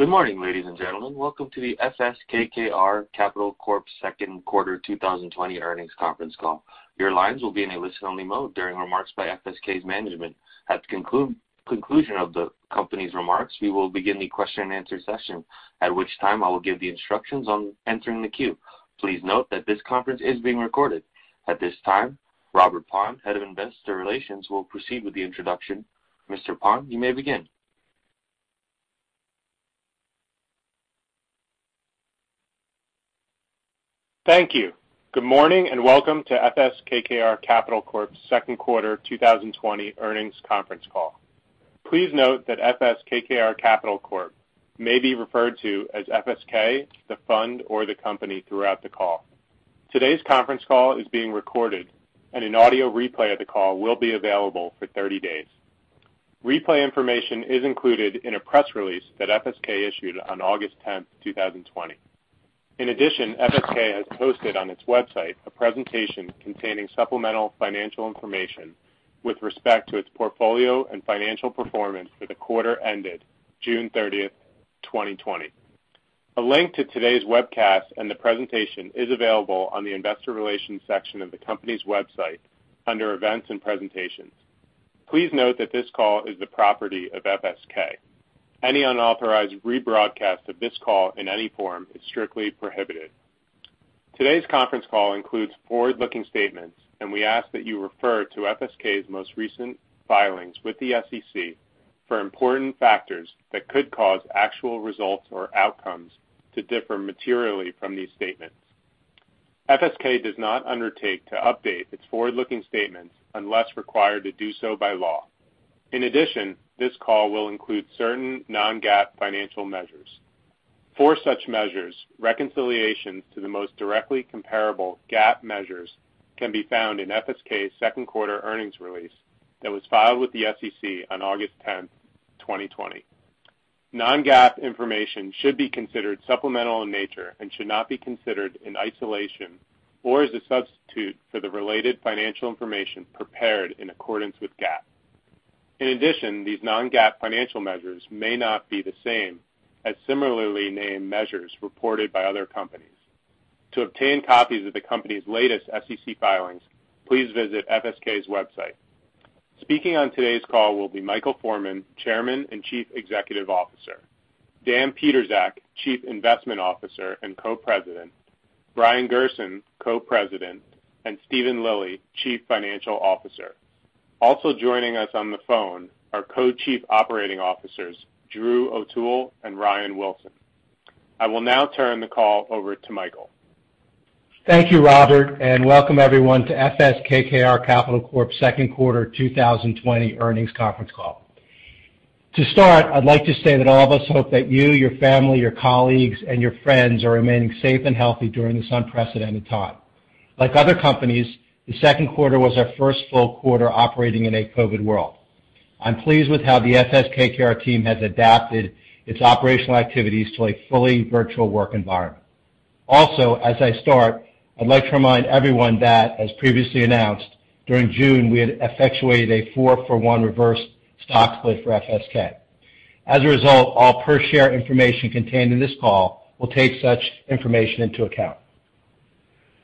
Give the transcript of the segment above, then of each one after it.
Good morning, ladies and gentlemen. Welcome to the FS KKR Capital Corp's second quarter 2020 earnings conference call. Your lines will be in a listen-only mode during remarks by FSK's management. At the conclusion of the company's remarks, we will begin the question and answer session, at which time I will give the instructions on entering the queue. Please note that this conference is being recorded. At this time, Robert Paun, Head of Investor Relations, will proceed with the introduction. Mr. Paun, you may begin. Thank you. Good morning and welcome to FS KKR Capital Corp's second quarter 2020 earnings conference call. Please note that FS KKR Capital Corp may be referred to as FSK, the fund, or the company throughout the call. Today's conference call is being recorded, and an audio replay of the call will be available for 30 days. Replay information is included in a press release that FSK issued on August 10th, 2020. In addition, FSK has posted on its website a presentation containing supplemental financial information with respect to its portfolio and financial performance for the quarter ended June 30th, 2020. A link to today's webcast and the presentation is available on the investor relations section of the company's website under events and presentations. Please note that this call is the property of FSK. Any unauthorized rebroadcast of this call in any form is strictly prohibited. Today's conference call includes forward-looking statements, and we ask that you refer to FSK's most recent filings with the SEC for important factors that could cause actual results or outcomes to differ materially from these statements. FSK does not undertake to update its forward-looking statements unless required to do so by law. In addition, this call will include certain non-GAAP financial measures. For such measures, reconciliations to the most directly comparable GAAP measures can be found in FSK's second quarter earnings release that was filed with the SEC on August 10th, 2020. Non-GAAP information should be considered supplemental in nature and should not be considered in isolation or as a substitute for the related financial information prepared in accordance with GAAP. In addition, these non-GAAP financial measures may not be the same as similarly named measures reported by other companies. To obtain copies of the company's latest SEC filings, please visit FSK's website. Speaking on today's call will be Michael Forman, Chairman and Chief Executive Officer, Dan Pietrzak, Chief Investment Officer and Co-President, Brian Gerson, Co-President, and Steven Lilly, Chief Financial Officer. Also joining us on the phone are Co-Chief Operating Officers, Drew O'Toole and Ryan Wilson. I will now turn the call over to Michael. Thank you, Robert, and welcome everyone to FS KKR Capital Corp's second quarter 2020 earnings conference call. To start, I'd like to say that all of us hope that you, your family, your colleagues, and your friends are remaining safe and healthy during this unprecedented time. Like other companies, the second quarter was our first full quarter operating in a COVID world. I'm pleased with how the FS KKR team has adapted its operational activities to a fully virtual work environment. Also, as I start, I'd like to remind everyone that, as previously announced, during June, we had effectuated a four-for-one reverse stock split for FSK. As a result, all per-share information contained in this call will take such information into account.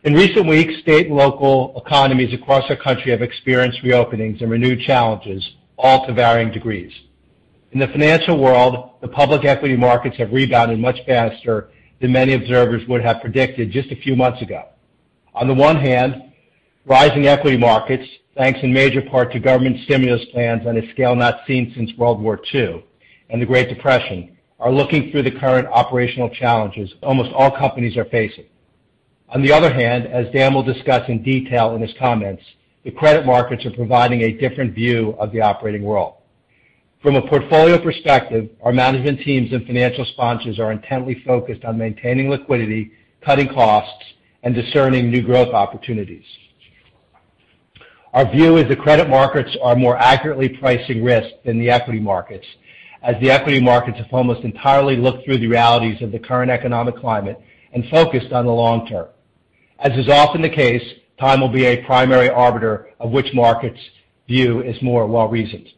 In recent weeks, state and local economies across our country have experienced reopenings and renewed challenges, all to varying degrees. In the financial world, the public equity markets have rebounded much faster than many observers would have predicted just a few months ago. On the one hand, rising equity markets, thanks in major part to government stimulus plans on a scale not seen since World War II and the Great Depression, are looking through the current operational challenges almost all companies are facing. On the other hand, as Dan will discuss in detail in his comments, the credit markets are providing a different view of the operating world. From a portfolio perspective, our management teams and financial sponsors are intently focused on maintaining liquidity, cutting costs, and discerning new growth opportunities. Our view is the credit markets are more accurately pricing risk than the equity markets, as the equity markets have almost entirely looked through the realities of the current economic climate and focused on the long term. As is often the case, time will be a primary arbiter of which market's view is more well-reasoned.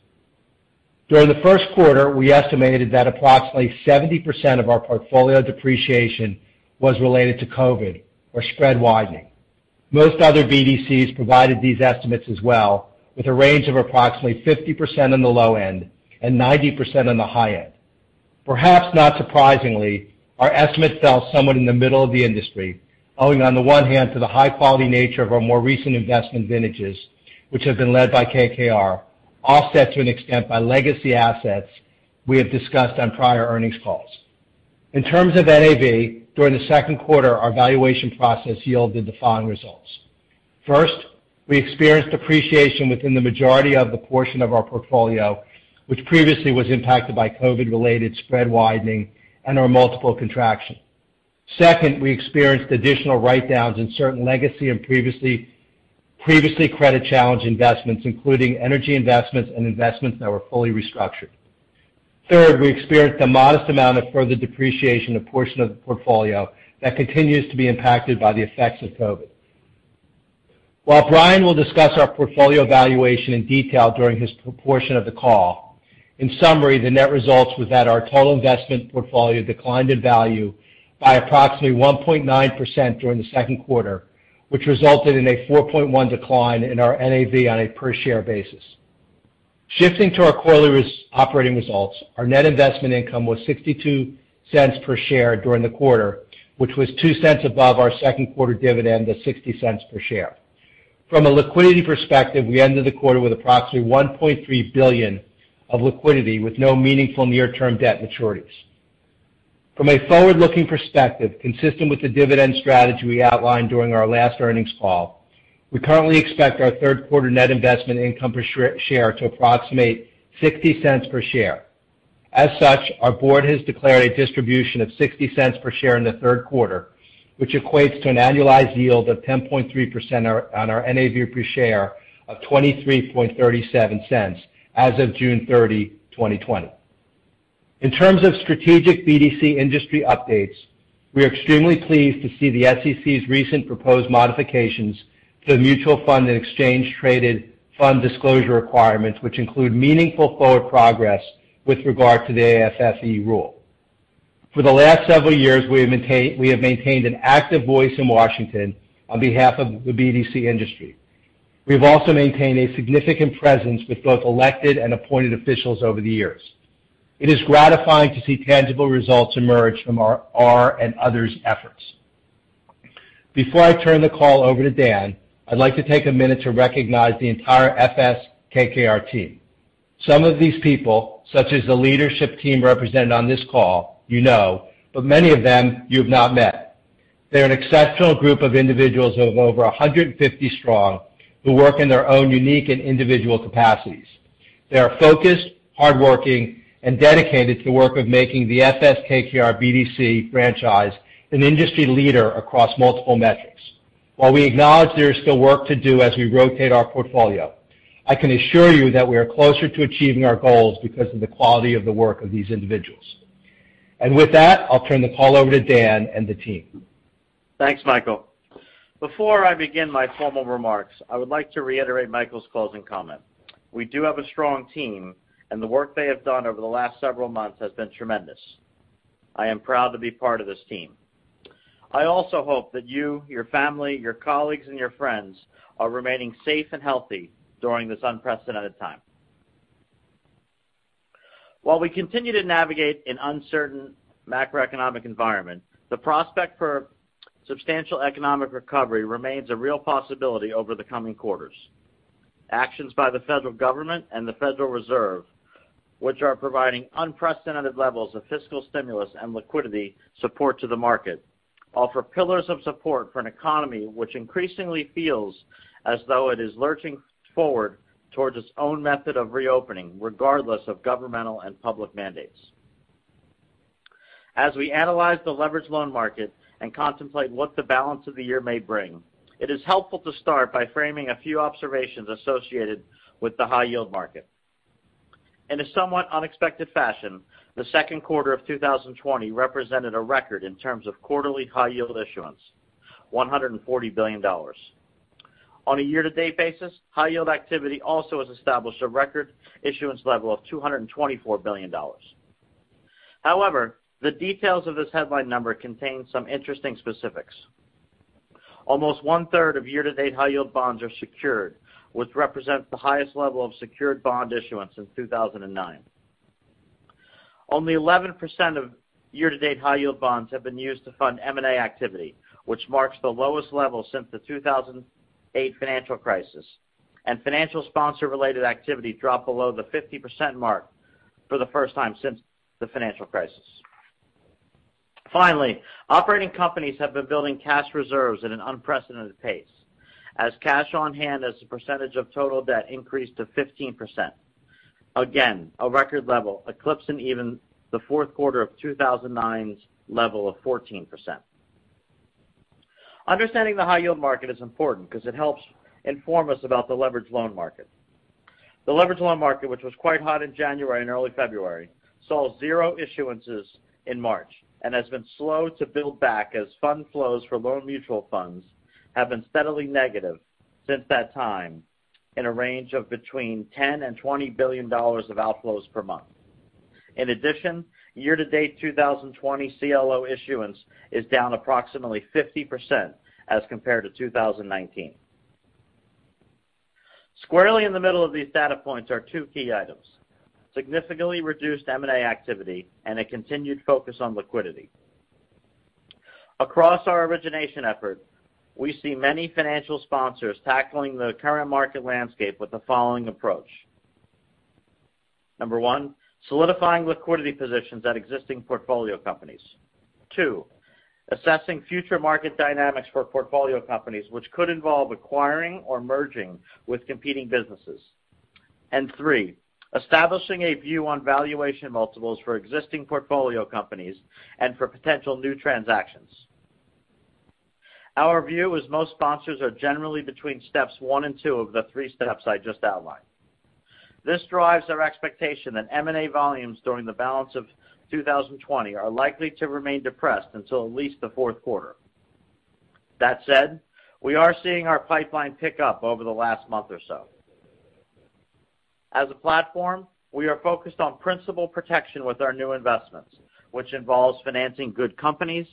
During the first quarter, we estimated that approximately 70% of our portfolio depreciation was related to COVID or spread widening. Most other BDCs provided these estimates as well, with a range of approximately 50% on the low end and 90% on the high end. Perhaps not surprisingly, our estimate fell somewhat in the middle of the industry, owing on the one hand to the high-quality nature of our more recent investment vintages, which have been led by KKR, offset to an extent by legacy assets we have discussed on prior earnings calls. In terms of NAV, during the second quarter, our valuation process yielded the following results. First, we experienced depreciation within the majority of the portion of our portfolio, which previously was impacted by COVID-related spread widening and our multiple contraction. Second, we experienced additional write-downs in certain legacy and previously credit-challenged investments, including energy investments and investments that were fully restructured. Third, we experienced a modest amount of further depreciation in a portion of the portfolio that continues to be impacted by the effects of COVID. While Brian will discuss our portfolio valuation in detail during his portion of the call, in summary, the net results were that our total investment portfolio declined in value by approximately 1.9% during the second quarter, which resulted in a 4.1% decline in our NAV on a per-share basis. Shifting to our quarterly operating results, our net investment income was $0.62 per share during the quarter, which was $0.02 above our second quarter dividend of $0.60 per share. From a liquidity perspective, we ended the quarter with approximately $1.3 billion of liquidity with no meaningful near-term debt maturities. From a forward-looking perspective, consistent with the dividend strategy we outlined during our last earnings call, we currently expect our third quarter net investment income per share to approximate $0.60 per share. As such, our board has declared a distribution of $0.60 per share in the third quarter, which equates to an annualized yield of 10.3% on our NAV per share of $23.37 as of June 30, 2020. In terms of strategic BDC industry updates, we are extremely pleased to see the SEC's recent proposed modifications to the mutual fund and exchange-traded fund disclosure requirements, which include meaningful forward progress with regard to the AFFE rule. For the last several years, we have maintained an active voice in Washington on behalf of the BDC industry. We have also maintained a significant presence with both elected and appointed officials over the years. It is gratifying to see tangible results emerge from our and others' efforts. Before I turn the call over to Dan, I'd like to take a minute to recognize the entire FS KKR team. Some of these people, such as the leadership team represented on this call, you know, but many of them you have not met. They're an exceptional group of individuals of over 150 strong who work in their own unique and individual capacities. They are focused, hardworking, and dedicated to the work of making the FS KKR BDC franchise an industry leader across multiple metrics. While we acknowledge there is still work to do as we rotate our portfolio, I can assure you that we are closer to achieving our goals because of the quality of the work of these individuals. And with that, I'll turn the call over to Dan and the team. Thanks, Michael. Before I begin my formal remarks, I would like to reiterate Michael's closing comment. We do have a strong team, and the work they have done over the last several months has been tremendous. I am proud to be part of this team. I also hope that you, your family, your colleagues, and your friends are remaining safe and healthy during this unprecedented time. While we continue to navigate an uncertain macroeconomic environment, the prospect for substantial economic recovery remains a real possibility over the coming quarters. Actions by the federal government and the Federal Reserve, which are providing unprecedented levels of fiscal stimulus and liquidity support to the market, offer pillars of support for an economy which increasingly feels as though it is lurching forward towards its own method of reopening, regardless of governmental and public mandates. As we analyze the leveraged loan market and contemplate what the balance of the year may bring, it is helpful to start by framing a few observations associated with the high-yield market. In a somewhat unexpected fashion, the second quarter of 2020 represented a record in terms of quarterly high-yield issuance: $140 billion. On a year-to-date basis, high-yield activity also has established a record issuance level of $224 billion. However, the details of this headline number contain some interesting specifics. Almost 1/3 of year-to-date high-yield bonds are secured, which represents the highest level of secured bond issuance since 2009. Only 11% of year-to-date high-yield bonds have been used to fund M&A activity, which marks the lowest level since the 2008 financial crisis, and financial sponsor-related activity dropped below the 50% mark for the first time since the financial crisis. Finally, operating companies have been building cash reserves at an unprecedented pace, as cash on hand as a percentage of total debt increased to 15%, again a record level eclipsing even the fourth quarter of 2009's level of 14%. Understanding the high-yield market is important because it helps inform us about the leveraged loan market. The leveraged loan market, which was quite hot in January and early February, saw zero issuances in March and has been slow to build back as fund flows for loan mutual funds have been steadily negative since that time in a range of between $10 billion and $20 billion of outflows per month. In addition, year-to-date 2020 CLO issuance is down approximately 50% as compared to 2019. Squarely in the middle of these data points are two key items: significantly reduced M&A activity and a continued focus on liquidity. Across our origination effort, we see many financial sponsors tackling the current market landscape with the following approach: number one, solidifying liquidity positions at existing portfolio companies, two, assessing future market dynamics for portfolio companies, which could involve acquiring or merging with competing businesses, and three, establishing a view on valuation multiples for existing portfolio companies and for potential new transactions. Our view is most sponsors are generally between steps one and two of the three steps I just outlined. This drives our expectation that M&A volumes during the balance of 2020 are likely to remain depressed until at least the fourth quarter. That said, we are seeing our pipeline pick up over the last month or so. As a platform, we are focused on principal protection with our new investments, which involves financing good companies,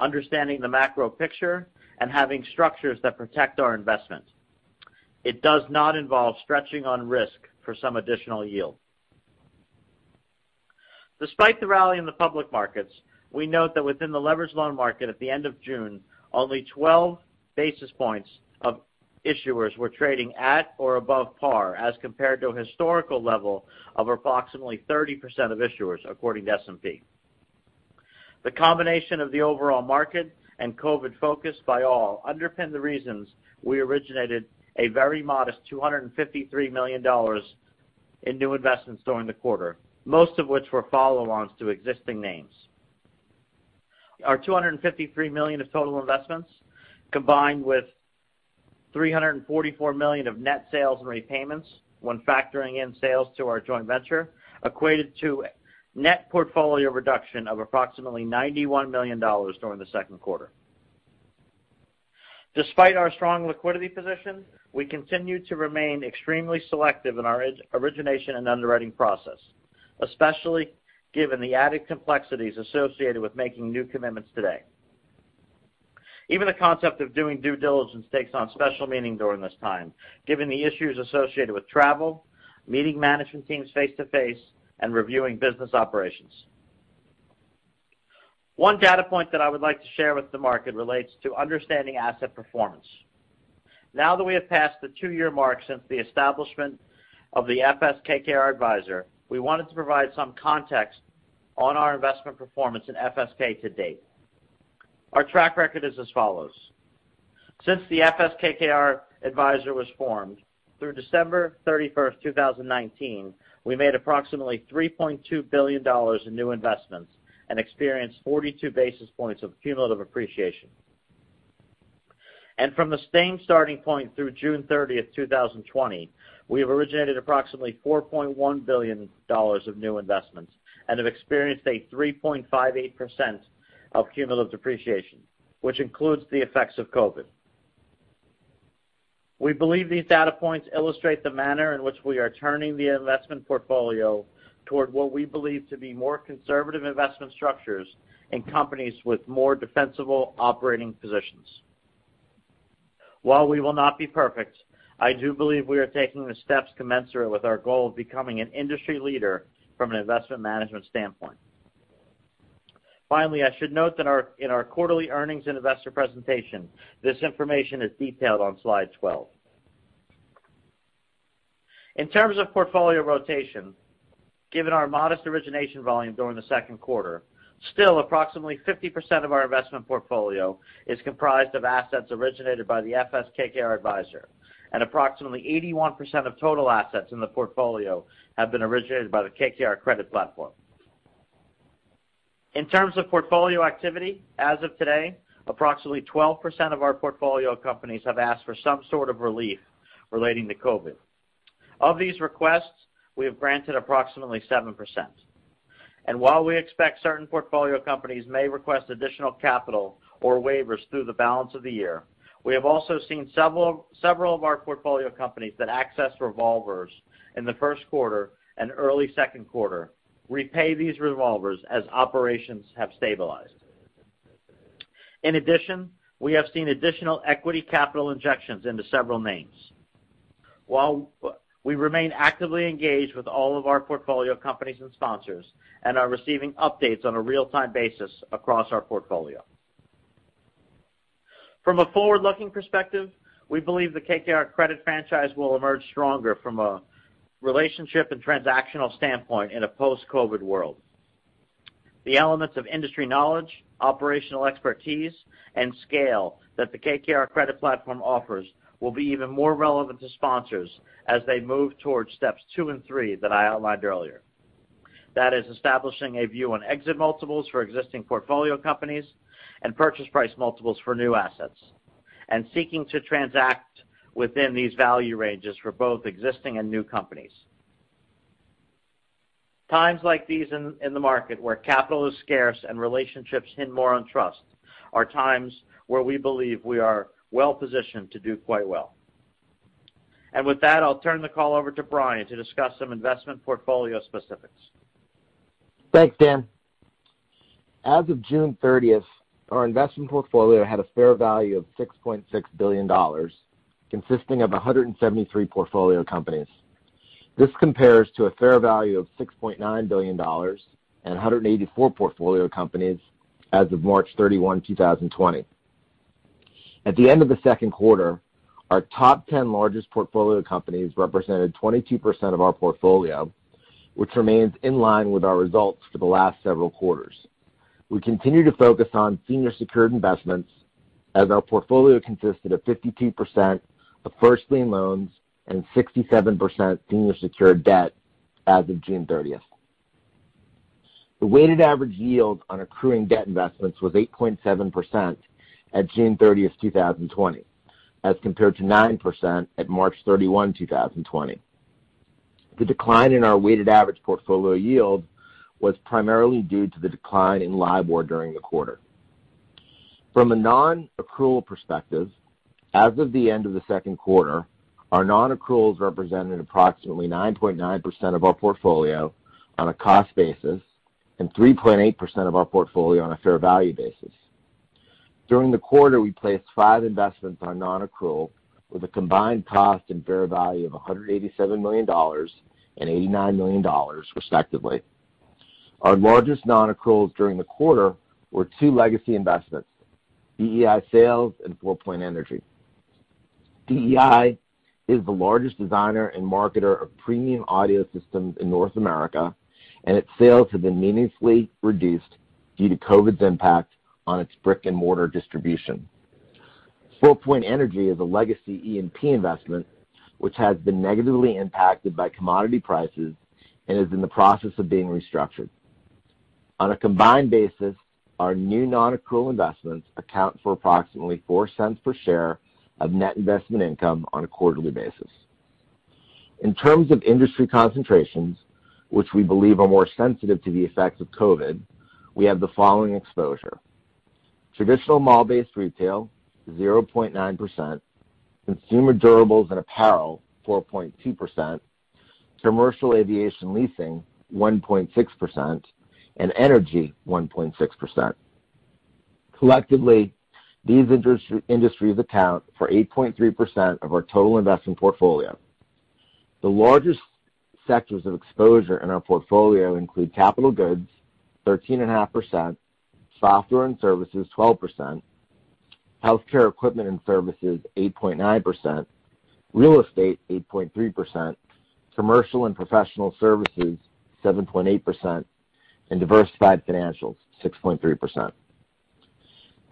understanding the macro picture, and having structures that protect our investment. It does not involve stretching on risk for some additional yield. Despite the rally in the public markets, we note that within the leveraged loan market at the end of June, only 12% of issuers were trading at or above par as compared to a historical level of approximately 30% of issuers, according to S&P. The combination of the overall market and COVID focus by all underpin the reasons we originated a very modest $253 million in new investments during the quarter, most of which were follow-ons to existing names. Our $253 million of total investments, combined with $344 million of net sales and repayments when factoring in sales to our joint venture, equated to net portfolio reduction of approximately $91 million during the second quarter. Despite our strong liquidity position, we continue to remain extremely selective in our origination and underwriting process, especially given the added complexities associated with making new commitments today. Even the concept of doing due diligence takes on special meaning during this time, given the issues associated with travel, meeting management teams face-to-face, and reviewing business operations. One data point that I would like to share with the market relates to understanding asset performance. Now that we have passed the two-year mark since the establishment of the FS KKR Advisor, we wanted to provide some context on our investment performance in FSK to date. Our track record is as follows. Since the FS KKR Advisor was formed, through December 31st, 2019, we made approximately $3.2 billion in new investments and experienced 42 basis points of cumulative appreciation. From the same starting point through June 30th, 2020, we have originated approximately $4.1 billion of new investments and have experienced a 3.58% of cumulative depreciation, which includes the effects of COVID. We believe these data points illustrate the manner in which we are turning the investment portfolio toward what we believe to be more conservative investment structures in companies with more defensible operating positions. While we will not be perfect, I do believe we are taking the steps commensurate with our goal of becoming an industry leader from an investment management standpoint. Finally, I should note that in our quarterly earnings and investor presentation, this information is detailed on slide 12. In terms of portfolio rotation, given our modest origination volume during the second quarter, still approximately 50% of our investment portfolio is comprised of assets originated by the FS KKR Advisor, and approximately 81% of total assets in the portfolio have been originated by the KKR Credit Platform. In terms of portfolio activity, as of today, approximately 12% of our portfolio companies have asked for some sort of relief relating to COVID. Of these requests, we have granted approximately 7%. And while we expect certain portfolio companies may request additional capital or waivers through the balance of the year, we have also seen several of our portfolio companies that accessed revolvers in the first quarter and early second quarter repay these revolvers as operations have stabilized. In addition, we have seen additional equity capital injections into several names. While we remain actively engaged with all of our portfolio companies and sponsors and are receiving updates on a real-time basis across our portfolio. From a forward-looking perspective, we believe the KKR Credit franchise will emerge stronger from a relationship and transactional standpoint in a post-COVID world. The elements of industry knowledge, operational expertise, and scale that the KKR Credit Platform offers will be even more relevant to sponsors as they move towards steps two and three that I outlined earlier. That is, establishing a view on exit multiples for existing portfolio companies and purchase price multiples for new assets, and seeking to transact within these value ranges for both existing and new companies. Times like these in the market, where capital is scarce and relationships hinge more on trust, are times where we believe we are well-positioned to do quite well. With that, I'll turn the call over to Brian to discuss some investment portfolio specifics. Thanks, Dan. As of June 30th, our investment portfolio had a fair value of $6.6 billion, consisting of 173 portfolio companies. This compares to a fair value of $6.9 billion and 184 portfolio companies as of March 31, 2020. At the end of the second quarter, our top 10 largest portfolio companies represented 22% of our portfolio, which remains in line with our results for the last several quarters. We continue to focus on senior secured investments, as our portfolio consisted of 52% of first lien loans and 67% senior secured debt as of June 30th. The weighted average yield on accruing debt investments was 8.7% at June 30th, 2020, as compared to 9% at March 31, 2020. The decline in our weighted average portfolio yield was primarily due to the decline in LIBOR during the quarter. From a non-accrual perspective, as of the end of the second quarter, our non-accruals represented approximately 9.9% of our portfolio on a cost basis and 3.8% of our portfolio on a fair value basis. During the quarter, we placed five investments on non-accrual, with a combined cost and fair value of $187 million and $89 million, respectively. Our largest non-accruals during the quarter were two legacy investments: DEI Sales and FourPoint Energy. DEI is the largest designer and marketer of premium audio systems in North America, and its sales have been meaningfully reduced due to COVID's impact on its brick-and-mortar distribution. FourPoint Energy is a legacy E&P investment, which has been negatively impacted by commodity prices and is in the process of being restructured. On a combined basis, our new non-accrual investments account for approximately $0.04 per share of net investment income on a quarterly basis. In terms of industry concentrations, which we believe are more sensitive to the effects of COVID, we have the following exposure: traditional mall-based retail, 0.9%; consumer durables and apparel, 4.2%; commercial aviation leasing, 1.6%; and energy, 1.6%. Collectively, these industries account for 8.3% of our total investment portfolio. The largest sectors of exposure in our portfolio include capital goods, 13.5%; software and services, 12%; healthcare equipment and services, 8.9%; real estate, 8.3%; commercial and professional services, 7.8%; and diversified financials, 6.3%.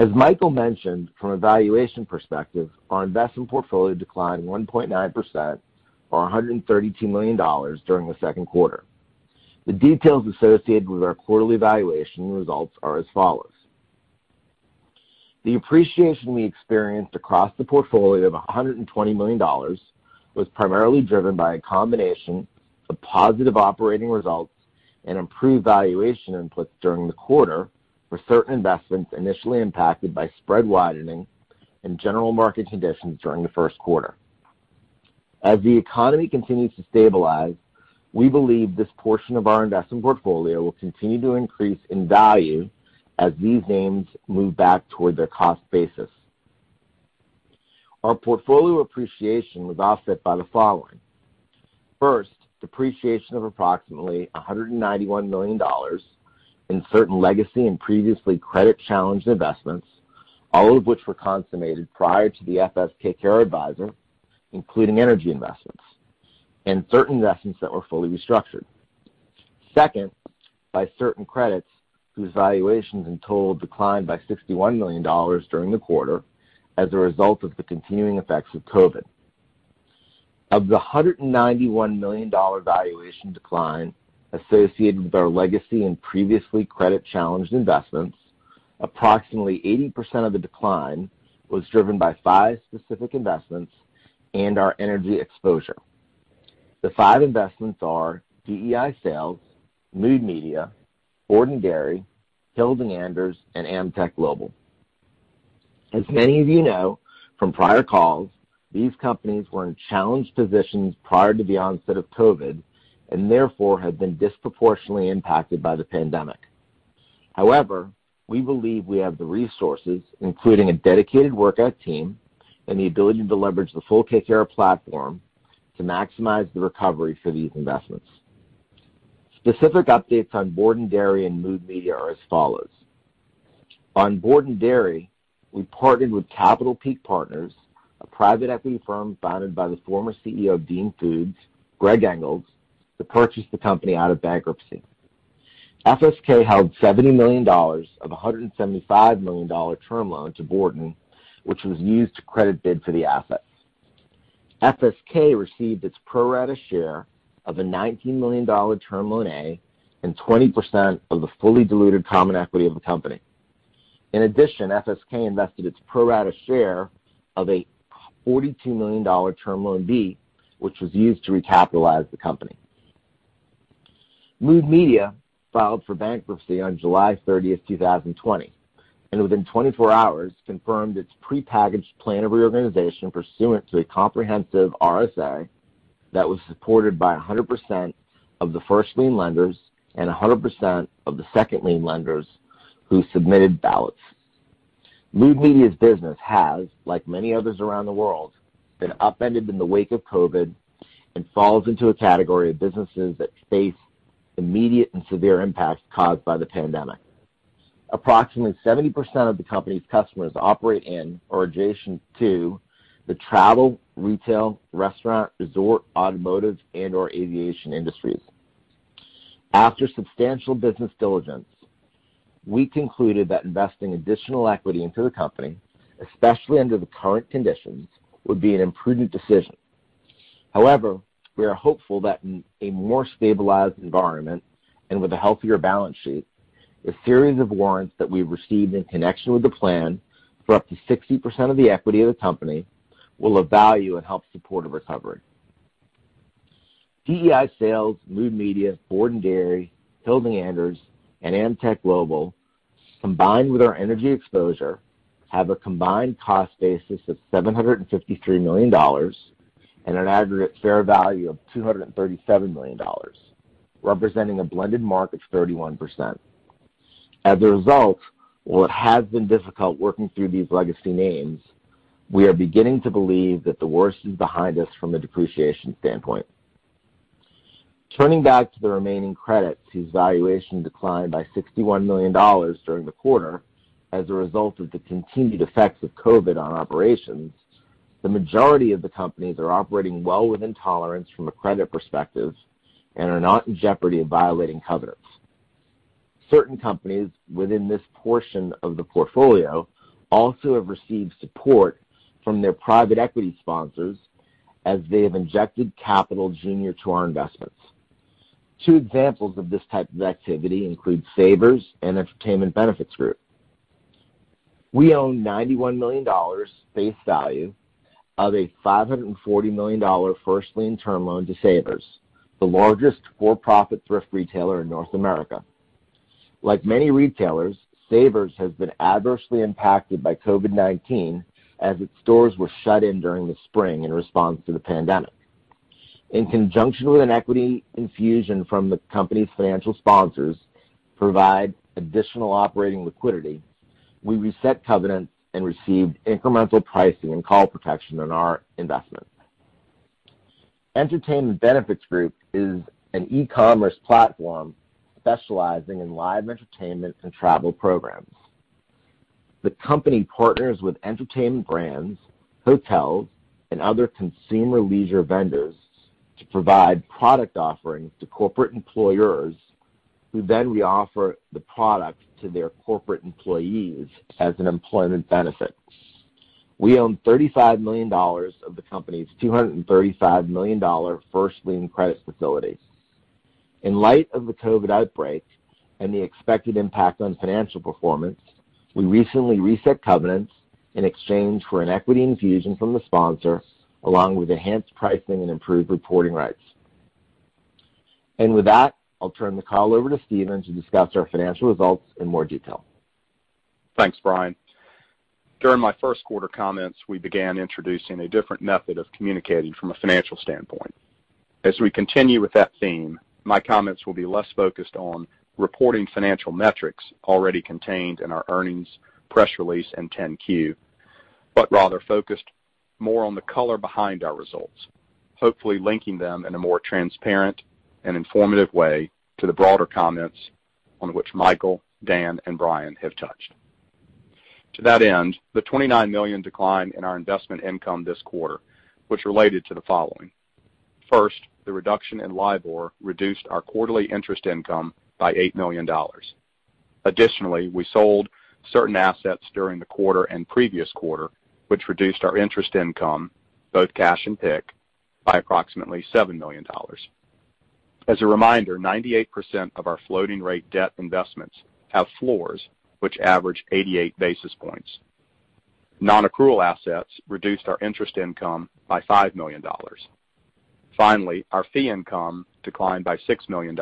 As Michael mentioned, from a valuation perspective, our investment portfolio declined 1.9%, or $132 million, during the second quarter. The details associated with our quarterly valuation results are as follows. The appreciation we experienced across the portfolio of $120 million was primarily driven by a combination of positive operating results and improved valuation inputs during the quarter for certain investments initially impacted by spread widening and general market conditions during the first quarter. As the economy continues to stabilize, we believe this portion of our investment portfolio will continue to increase in value as these names move back toward their cost basis. Our portfolio appreciation was offset by the following: first, depreciation of approximately $191 million in certain legacy and previously credit-challenged investments, all of which were consummated prior to the FS KKR Advisor, including energy investments, and certain investments that were fully restructured. Second, by certain credits whose valuations in total declined by $61 million during the quarter as a result of the continuing effects of COVID. Of the $191 million valuation decline associated with our legacy and previously credit-challenged investments, approximately 80% of the decline was driven by five specific investments and our energy exposure. The five investments are DEI Sales, Mood Media, Borden Dairy, Hilding Anders, and Amtek Global. As many of you know from prior calls, these companies were in challenged positions prior to the onset of COVID and therefore had been disproportionately impacted by the pandemic. However, we believe we have the resources, including a dedicated workout team and the ability to leverage the full KKR platform to maximize the recovery for these investments. Specific updates on Borden Dairy and Mood Media are as follows. On Borden Dairy, we partnered with Capital Peak Partners, a private equity firm founded by the former CEO of Dean Foods, Gregg Engles, to purchase the company out of bankruptcy. FSK held $70 million of a $175 million term loan to Borden, which was used to credit bid for the assets. FSK received its pro rata share of a $19 million term loan A and 20% of the fully diluted common equity of the company. In addition, FSK invested its pro rata share of a $42 million term loan B, which was used to recapitalize the company. Mood Media filed for bankruptcy on July 30, 2020, and within 24 hours confirmed its prepackaged plan of reorganization pursuant to a comprehensive RSA that was supported by 100% of the first lien lenders and 100% of the second lien lenders who submitted ballots. Mood Media's business has, like many others around the world, been upended in the wake of COVID and falls into a category of businesses that face immediate and severe impacts caused by the pandemic. Approximately 70% of the company's customers operate in or adjacent to the travel, retail, restaurant, resort, automotive, and/or aviation industries. After substantial business diligence, we concluded that investing additional equity into the company, especially under the current conditions, would be an imprudent decision. However, we are hopeful that in a more stabilized environment and with a healthier balance sheet, the series of warrants that we've received in connection with the plan for up to 60% of the equity of the company will have value and help support a recovery. DEI Sales, Mood Media, Borden Dairy, Hilding Anders, and Amtek Global, combined with our energy exposure, have a combined cost basis of $753 million and an aggregate fair value of $237 million, representing a blended market of 31%. As a result, while it has been difficult working through these legacy names, we are beginning to believe that the worst is behind us from a depreciation standpoint. Turning back to the remaining credits whose valuation declined by $61 million during the quarter as a result of the continued effects of COVID on operations, the majority of the companies are operating well within tolerance from a credit perspective and are not in jeopardy of violating covenants. Certain companies within this portion of the portfolio also have received support from their private equity sponsors as they have injected capital junior to our investments. Two examples of this type of activity include Savers and Entertainment Benefits Group. We own $91 million face value of a $540 million first lien term loan to Savers, the largest for-profit thrift retailer in North America. Like many retailers, Savers has been adversely impacted by COVID-19 as its stores were shut in during the spring in response to the pandemic. In conjunction with an equity infusion from the company's financial sponsors to provide additional operating liquidity, we reset covenants and received incremental pricing and call protection on our investments. Entertainment Benefits Group is an e-commerce platform specializing in live entertainment and travel programs. The company partners with entertainment brands, hotels, and other consumer leisure vendors to provide product offerings to corporate employers, who then reoffer the product to their corporate employees as an employment benefit. We own $35 million of the company's $235 million first lien credit facility. In light of the COVID outbreak and the expected impact on financial performance, we recently reset covenants in exchange for an equity infusion from the sponsor, along with enhanced pricing and improved reporting rights. With that, I'll turn the call over to Steven to discuss our financial results in more detail. Thanks, Brian. During my first quarter comments, we began introducing a different method of communicating from a financial standpoint. As we continue with that theme, my comments will be less focused on reporting financial metrics already contained in our earnings, press release, and 10-Q, but rather focused more on the color behind our results, hopefully linking them in a more transparent and informative way to the broader comments on which Michael, Dan, and Brian have touched. To that end, the $29 million decline in our investment income this quarter was related to the following. First, the reduction in LIBOR reduced our quarterly interest income by $8 million. Additionally, we sold certain assets during the quarter and previous quarter, which reduced our interest income, both cash and pick, by approximately $7 million. As a reminder, 98% of our floating-rate debt investments have floors, which average 88 basis points. Non-accrual assets reduced our interest income by $5 million. Finally, our fee income declined by $6 million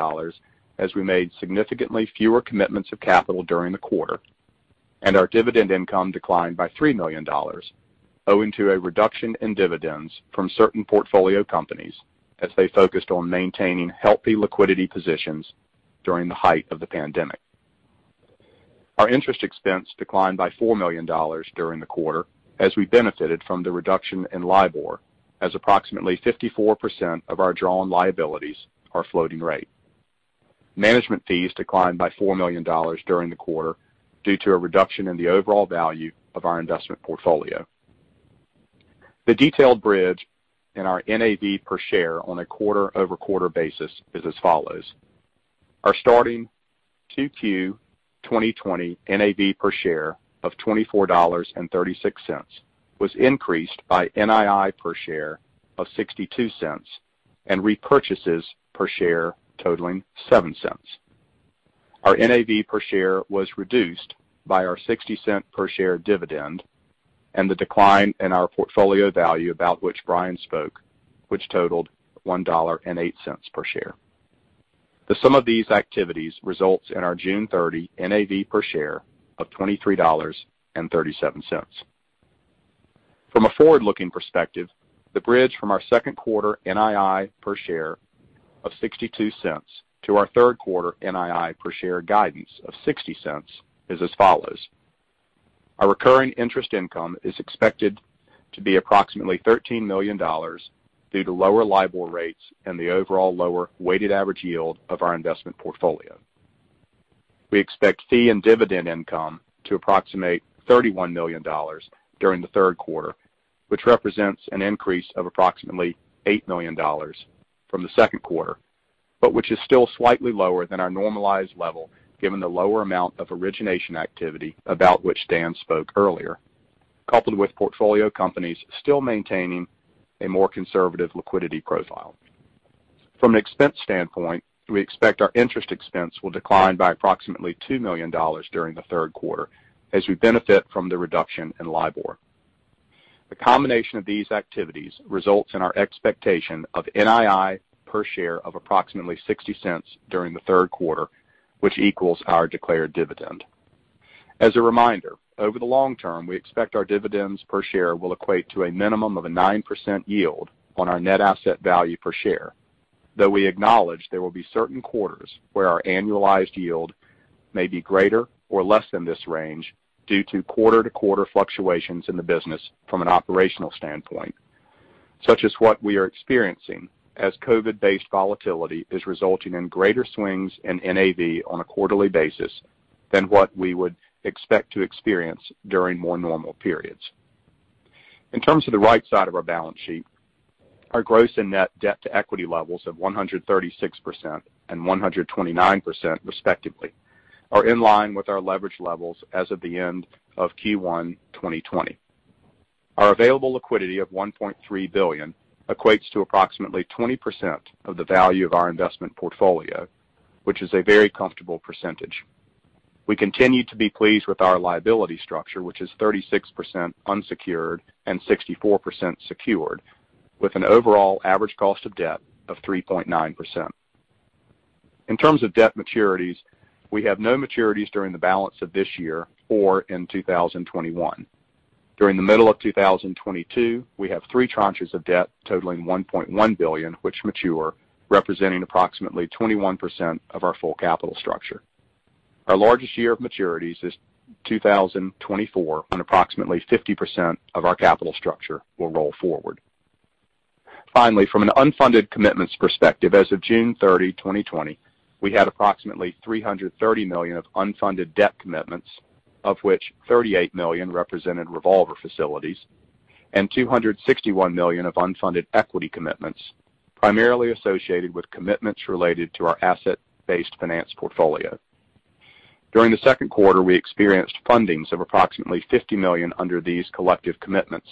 as we made significantly fewer commitments of capital during the quarter, and our dividend income declined by $3 million, owing to a reduction in dividends from certain portfolio companies as they focused on maintaining healthy liquidity positions during the height of the pandemic. Our interest expense declined by $4 million during the quarter as we benefited from the reduction in LIBOR, as approximately 54% of our drawn liabilities are floating rate. Management fees declined by $4 million during the quarter due to a reduction in the overall value of our investment portfolio. The detailed bridge in our NAV per share on a quarter-over-quarter basis is as follows. Our starting Q2 2020 NAV per share of $24.36 was increased by NII per share of $0.62 and repurchases per share totaling $0.07. Our NAV per share was reduced by our $0.60 per share dividend and the decline in our portfolio value about which Brian spoke, which totaled $1.08 per share. The sum of these activities results in our June 30 NAV per share of $23.37. From a forward-looking perspective, the bridge from our second quarter NII per share of $0.62 to our third quarter NII per share guidance of $0.60 is as follows. Our recurring interest income is expected to be approximately $13 million due to lower LIBOR rates and the overall lower weighted average yield of our investment portfolio. We expect fee and dividend income to approximate $31 million during the third quarter, which represents an increase of approximately $8 million from the second quarter, but which is still slightly lower than our normalized level given the lower amount of origination activity about which Dan spoke earlier, coupled with portfolio companies still maintaining a more conservative liquidity profile. From an expense standpoint, we expect our interest expense will decline by approximately $2 million during the third quarter as we benefit from the reduction in LIBOR. The combination of these activities results in our expectation of NII per share of approximately $0.60 during the third quarter, which equals our declared dividend. As a reminder, over the long term, we expect our dividends per share will equate to a minimum of a 9% yield on our net asset value per share, though we acknowledge there will be certain quarters where our annualized yield may be greater or less than this range due to quarter-to-quarter fluctuations in the business from an operational standpoint, such as what we are experiencing as COVID-based volatility is resulting in greater swings in NAV on a quarterly basis than what we would expect to experience during more normal periods. In terms of the right side of our balance sheet, our gross and net debt-to-equity levels of 136% and 129%, respectively, are in line with our leverage levels as of the end of Q1 2020. Our available liquidity of $1.3 billion equates to approximately 20% of the value of our investment portfolio, which is a very comfortable percentage. We continue to be pleased with our liability structure, which is 36% unsecured and 64% secured, with an overall average cost of debt of 3.9%. In terms of debt maturities, we have no maturities during the balance of this year or in 2021. During the middle of 2022, we have three tranches of debt totaling $1.1 billion, which mature, representing approximately 21% of our full capital structure. Our largest year of maturities is 2024, when approximately 50% of our capital structure will roll forward. Finally, from an unfunded commitments perspective, as of June 30, 2020, we had approximately $330 million of unfunded debt commitments, of which $38 million represented revolver facilities, and $261 million of unfunded equity commitments, primarily associated with commitments related to our asset-based finance portfolio. During the second quarter, we experienced fundings of approximately $50 million under these collective commitments,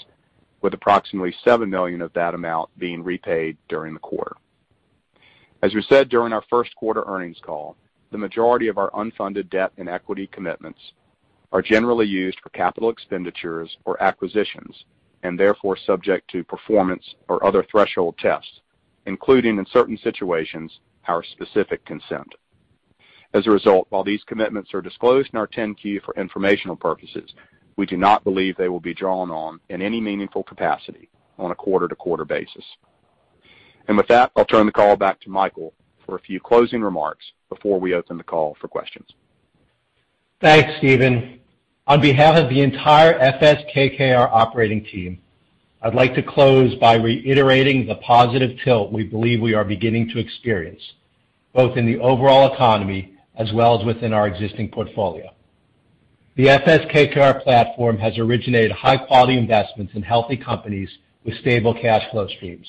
with approximately $7 million of that amount being repaid during the quarter. As we said during our first quarter earnings call, the majority of our unfunded debt and equity commitments are generally used for capital expenditures or acquisitions and therefore subject to performance or other threshold tests, including, in certain situations, our specific consent. As a result, while these commitments are disclosed in our 10-Q for informational purposes, we do not believe they will be drawn on in any meaningful capacity on a quarter-to-quarter basis. And with that, I'll turn the call back to Michael for a few closing remarks before we open the call for questions. Thanks, Steven. On behalf of the entire FS KKR operating team, I'd like to close by reiterating the positive tilt we believe we are beginning to experience, both in the overall economy as well as within our existing portfolio. The FS KKR platform has originated high-quality investments in healthy companies with stable cash flow streams.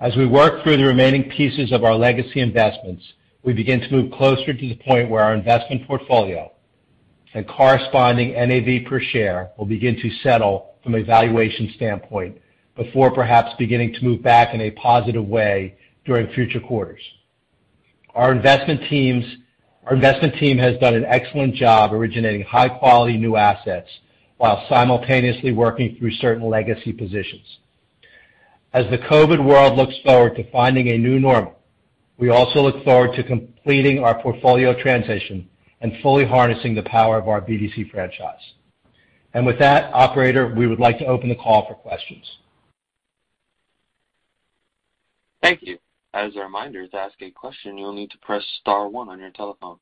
As we work through the remaining pieces of our legacy investments, we begin to move closer to the point where our investment portfolio and corresponding NAV per share will begin to settle from a valuation standpoint before perhaps beginning to move back in a positive way during future quarters. Our investment team has done an excellent job originating high-quality new assets while simultaneously working through certain legacy positions. As the COVID world looks forward to finding a new normal, we also look forward to completing our portfolio transition and fully harnessing the power of our BDC franchise. And with that, Operator, we would like to open the call for questions. Thank you. As a reminder, to ask a question, you'll need to press star one on your telephone.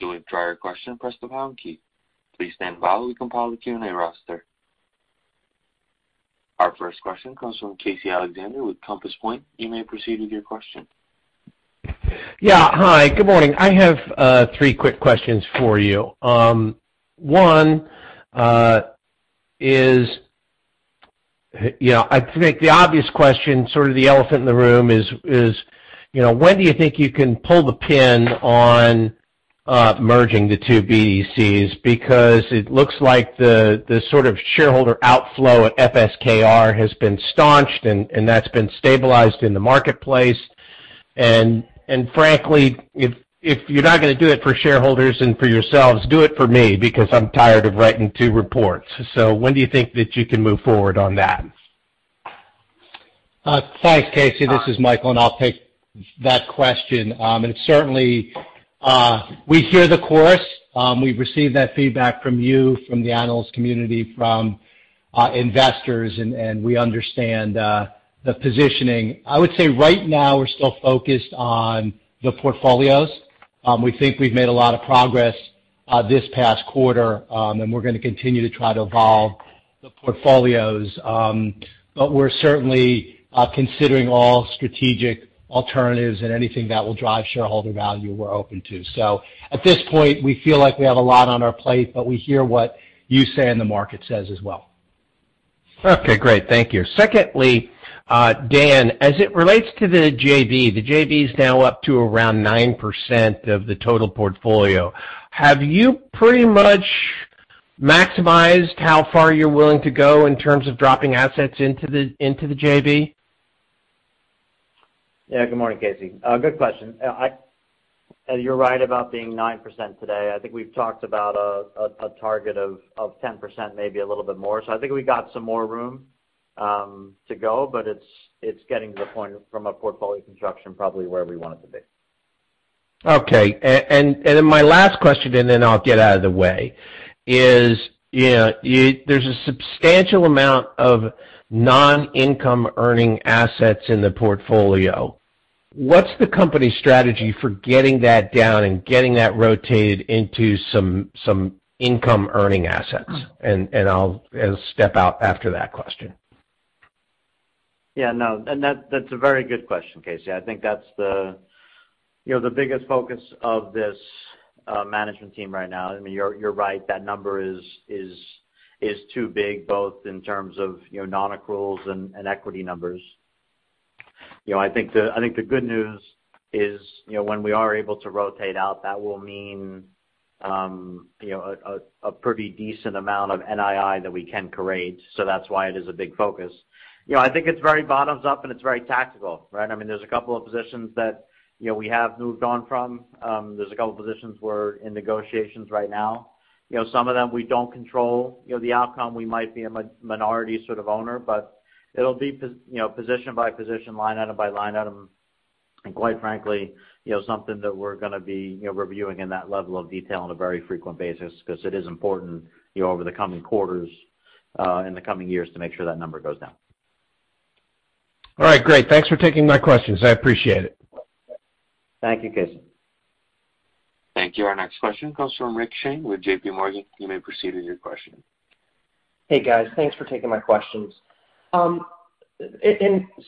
To withdraw your question, press the pound key. Please stand by while we compile the Q&A roster. Our first question comes from Casey Alexander with Compass Point. You may proceed with your question. Yeah. Hi. Good morning. I have three quick questions for you. One is, I think the obvious question, sort of the elephant in the room, is when do you think you can pull the pin on merging the two BDCs? Because it looks like the sort of shareholder outflow at FS KKR has been staunched, and that's been stabilized in the marketplace. And frankly, if you're not going to do it for shareholders and for yourselves, do it for me because I'm tired of writing two reports. So when do you think that you can move forward on that? Thanks, Casey. This is Michael, and I'll take that question, and certainly, we hear the chorus. We've received that feedback from you, from the analyst community, from investors, and we understand the positioning. I would say right now, we're still focused on the portfolios. We think we've made a lot of progress this past quarter, and we're going to continue to try to evolve the portfolios, but we're certainly considering all strategic alternatives and anything that will drive shareholder value. We're open to so at this point, we feel like we have a lot on our plate, but we hear what you say and the market says as well. Okay. Great. Thank you. Secondly, Dan, as it relates to the JV, the JV is now up to around 9% of the total portfolio. Have you pretty much maximized how far you're willing to go in terms of dropping assets into the JV? Yeah. Good morning, Casey. Good question. And you're right about being 9% today. I think we've talked about a target of 10%, maybe a little bit more. So I think we got some more room to go, but it's getting to the point from a portfolio construction probably where we want it to be. Okay. And then my last question, and then I'll get out of the way, is there's a substantial amount of non-income earning assets in the portfolio. What's the company's strategy for getting that down and getting that rotated into some income earning assets? And I'll step out after that question. Yeah. No. And that's a very good question, Casey. I think that's the biggest focus of this management team right now. I mean, you're right. That number is too big, both in terms of non-accruals and equity numbers. I think the good news is when we are able to rotate out, that will mean a pretty decent amount of NII that we can create. So that's why it is a big focus. I think it's very bottoms up, and it's very tactical, right? I mean, there's a couple of positions that we have moved on from. There's a couple of positions we're in negotiations right now. Some of them, we don't control the outcome. We might be a minority sort of owner, but it'll be position by position, line item by line item, and quite frankly, something that we're going to be reviewing in that level of detail on a very frequent basis because it is important over the coming quarters and the coming years to make sure that number goes down. All right. Great. Thanks for taking my questions. I appreciate it. Thank you, Casey. Thank you. Our next question comes from Rick Shane with JPMorgan. You may proceed with your question. Hey, guys. Thanks for taking my questions. And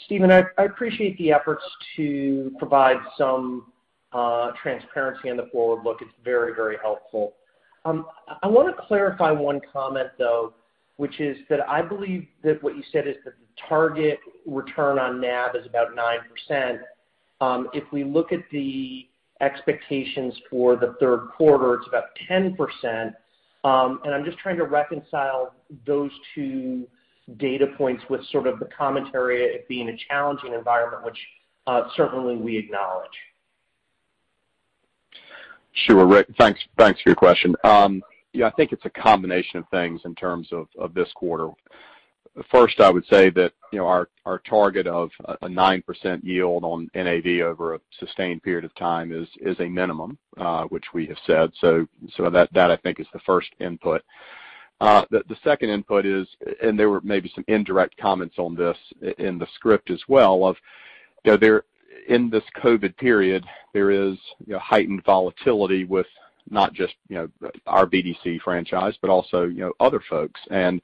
Steven, I appreciate the efforts to provide some transparency in the forward look. It's very, very helpful. I want to clarify one comment, though, which is that I believe that what you said is that the target return on NAV is about 9%. If we look at the expectations for the third quarter, it's about 10%. And I'm just trying to reconcile those two data points with sort of the commentary of it being a challenging environment, which certainly we acknowledge. Sure. Thanks for your question. Yeah. I think it's a combination of things in terms of this quarter. First, I would say that our target of a 9% yield on NAV over a sustained period of time is a minimum, which we have said. So that, I think, is the first input. The second input is, and there were maybe some indirect comments on this in the script as well, of in this COVID period, there is heightened volatility with not just our BDC franchise, but also other folks. And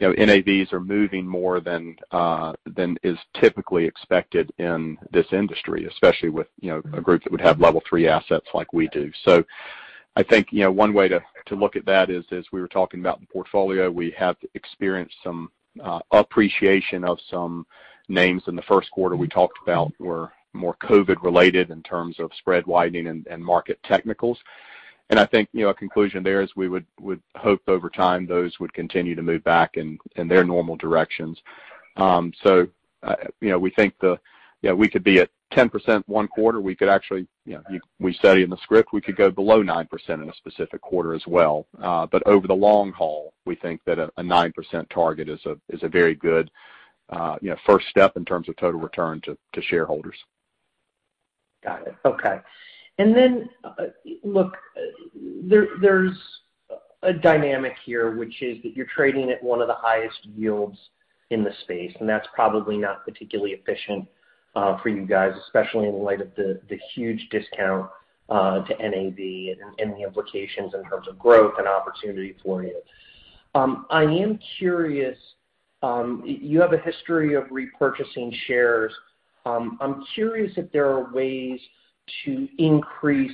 NAVs are moving more than is typically expected in this industry, especially with a group that would have level three assets like we do. So I think one way to look at that is, as we were talking about in the portfolio, we have experienced some appreciation of some names in the first quarter we talked about were more COVID-related in terms of spread widening and market technicals, and I think a conclusion there is we would hope over time those would continue to move back in their normal directions, so we think we could be at 10% one quarter. We could actually, we said in the script, we could go below 9% in a specific quarter as well, but over the long haul, we think that a 9% target is a very good first step in terms of total return to shareholders. Got it. Okay. And then, look, there's a dynamic here, which is that you're trading at one of the highest yields in the space, and that's probably not particularly efficient for you guys, especially in light of the huge discount to NAV and the implications in terms of growth and opportunity for you. I am curious. You have a history of repurchasing shares. I'm curious if there are ways to increase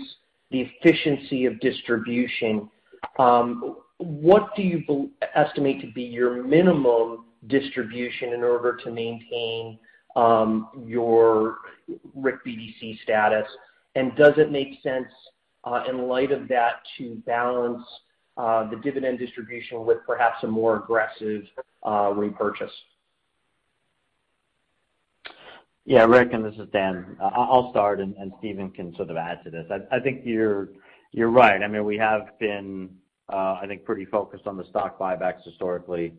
the efficiency of distribution. What do you estimate to be your minimum distribution in order to maintain your RIC BDC status? And does it make sense in light of that to balance the dividend distribution with perhaps a more aggressive repurchase? Yeah. Rick, this is Dan. I'll start, and Steven can sort of add to this. I think you're right. I mean, we have been, I think, pretty focused on the stock buybacks historically.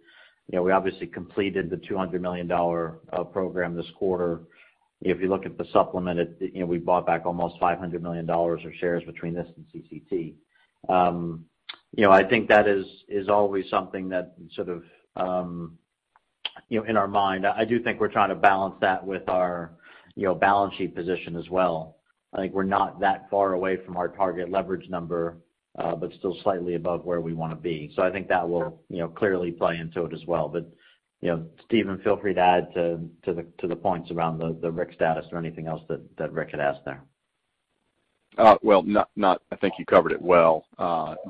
We obviously completed the $200 million program this quarter. If you look at the supplement, we bought back almost $500 million of shares between this and CCT. I think that is always something that sort of in our mind. I do think we're trying to balance that with our balance sheet position as well. I think we're not that far away from our target leverage number, but still slightly above where we want to be. So I think that will clearly play into it as well. But Steven, feel free to add to the points around the rec status or anything else that Rick had asked there. I think you covered it well,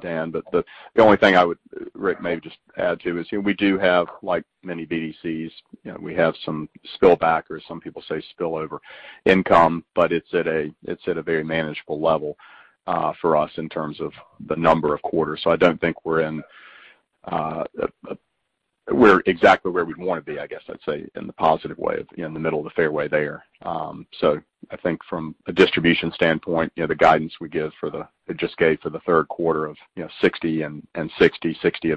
Dan. The only thing I would, Rick, maybe just add to is we do have, like many BDCs, we have some spillback or some people say spillover income, but it's at a very manageable level for us in terms of the number of quarters. I don't think we're in exactly where we'd want to be, I guess I'd say, in the positive way, in the middle of the fairway there. I think from a distribution standpoint, the guidance we just gave for the third quarter of $0.60 of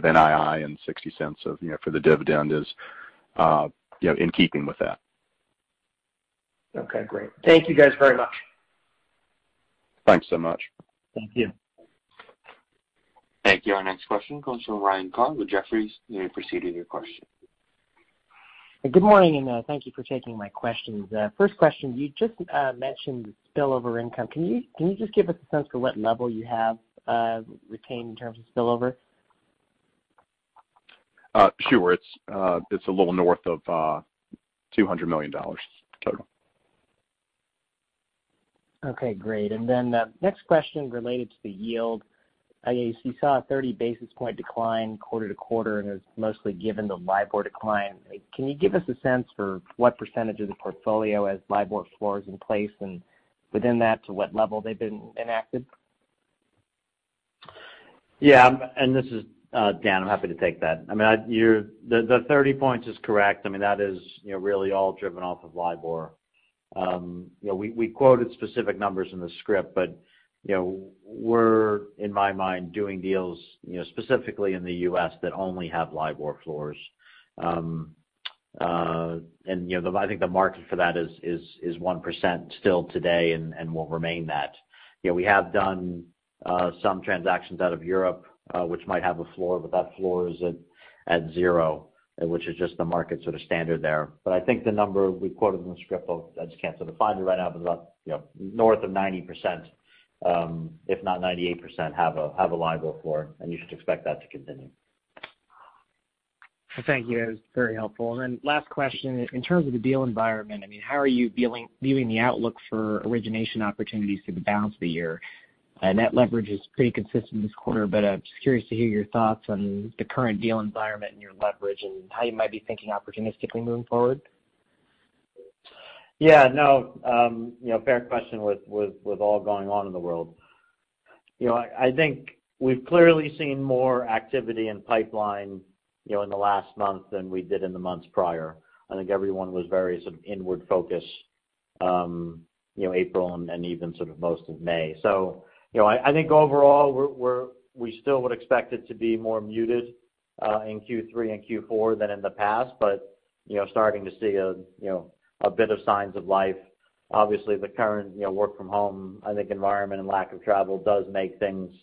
NII and $0.60 for the dividend is in keeping with that. Okay. Great. Thank you guys very much. Thanks so much. Thank you. Thank you. Our next question comes from Ryan Carn with Jefferies. You may proceed with your question. Good morning, and thank you for taking my questions. First question, you just mentioned spillover income. Can you just give us a sense for what level you have retained in terms of spillover? Sure. It's a little north of $200 million total. Okay. Great. And then next question related to the yield. You saw a 30 basis points decline quarter to quarter, and it was mostly given to LIBOR decline. Can you give us a sense for what percentage of the portfolio has LIBOR floors in place, and within that, to what level they've been enacted? Yeah, and this is Dan. I'm happy to take that. I mean, the 30 points is correct. I mean, that is really all driven off of LIBOR. We quoted specific numbers in the script, but we're, in my mind, doing deals specifically in the U.S. that only have LIBOR floors, and I think the market for that is 1% still today and will remain that. We have done some transactions out of Europe, which might have a floor, but that floor is at zero, which is just the market sort of standard there, but I think the number we quoted in the script, I just can't sort of find it right now, but about north of 90%, if not 98%, have a LIBOR floor, and you should expect that to continue. Thank you. That was very helpful. And then last question. In terms of the deal environment, I mean, how are you viewing the outlook for origination opportunities for the balance of the year? And that leverage is pretty consistent this quarter, but I'm just curious to hear your thoughts on the current deal environment and your leverage and how you might be thinking opportunistically moving forward. Yeah. No. Fair question with all going on in the world. I think we've clearly seen more activity in pipeline in the last month than we did in the months prior. I think everyone was very sort of inward-focused April and even sort of most of May. So I think overall, we still would expect it to be more muted in Q3 and Q4 than in the past, but starting to see a bit of signs of life. Obviously, the current work-from-home, I think, environment and lack of travel does make things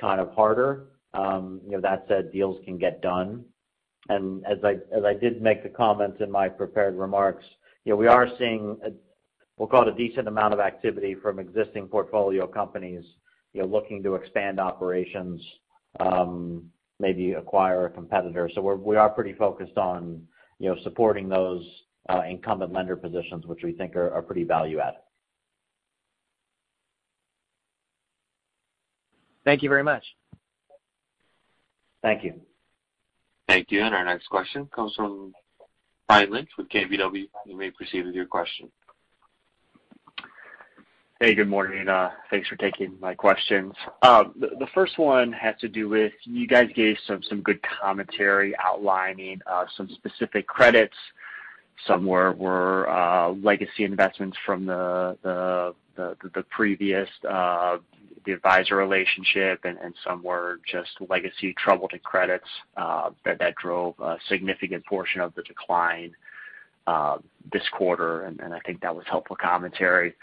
kind of harder. That said, deals can get done, and as I did make the comments in my prepared remarks, we are seeing, we'll call it a decent amount of activity from existing portfolio companies looking to expand operations, maybe acquire a competitor. So we are pretty focused on supporting those incumbent lender positions, which we think are pretty value-add. Thank you very much. Thank you. Thank you. And our next question comes from Ryan Lynch with KBW. You may proceed with your question. Hey. Good morning. Thanks for taking my questions. The first one has to do with you guys gave some good commentary outlining some specific credits. Some were legacy investments from the previous, the advisor relationship, and some were just legacy troubled credits that drove a significant portion of the decline this quarter. And I think that was helpful commentary.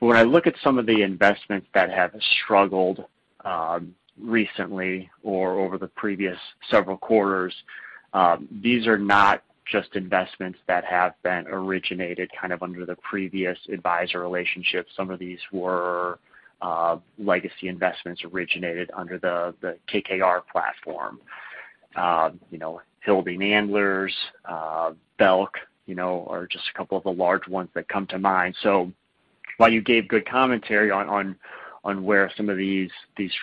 But when I look at some of the investments that have struggled recently or over the previous several quarters, these are not just investments that have been originated kind of under the previous advisor relationship. Some of these were legacy investments originated under the KKR platform. Hilding Anders, Belk, are just a couple of the large ones that come to mind. So while you gave good commentary on where some of these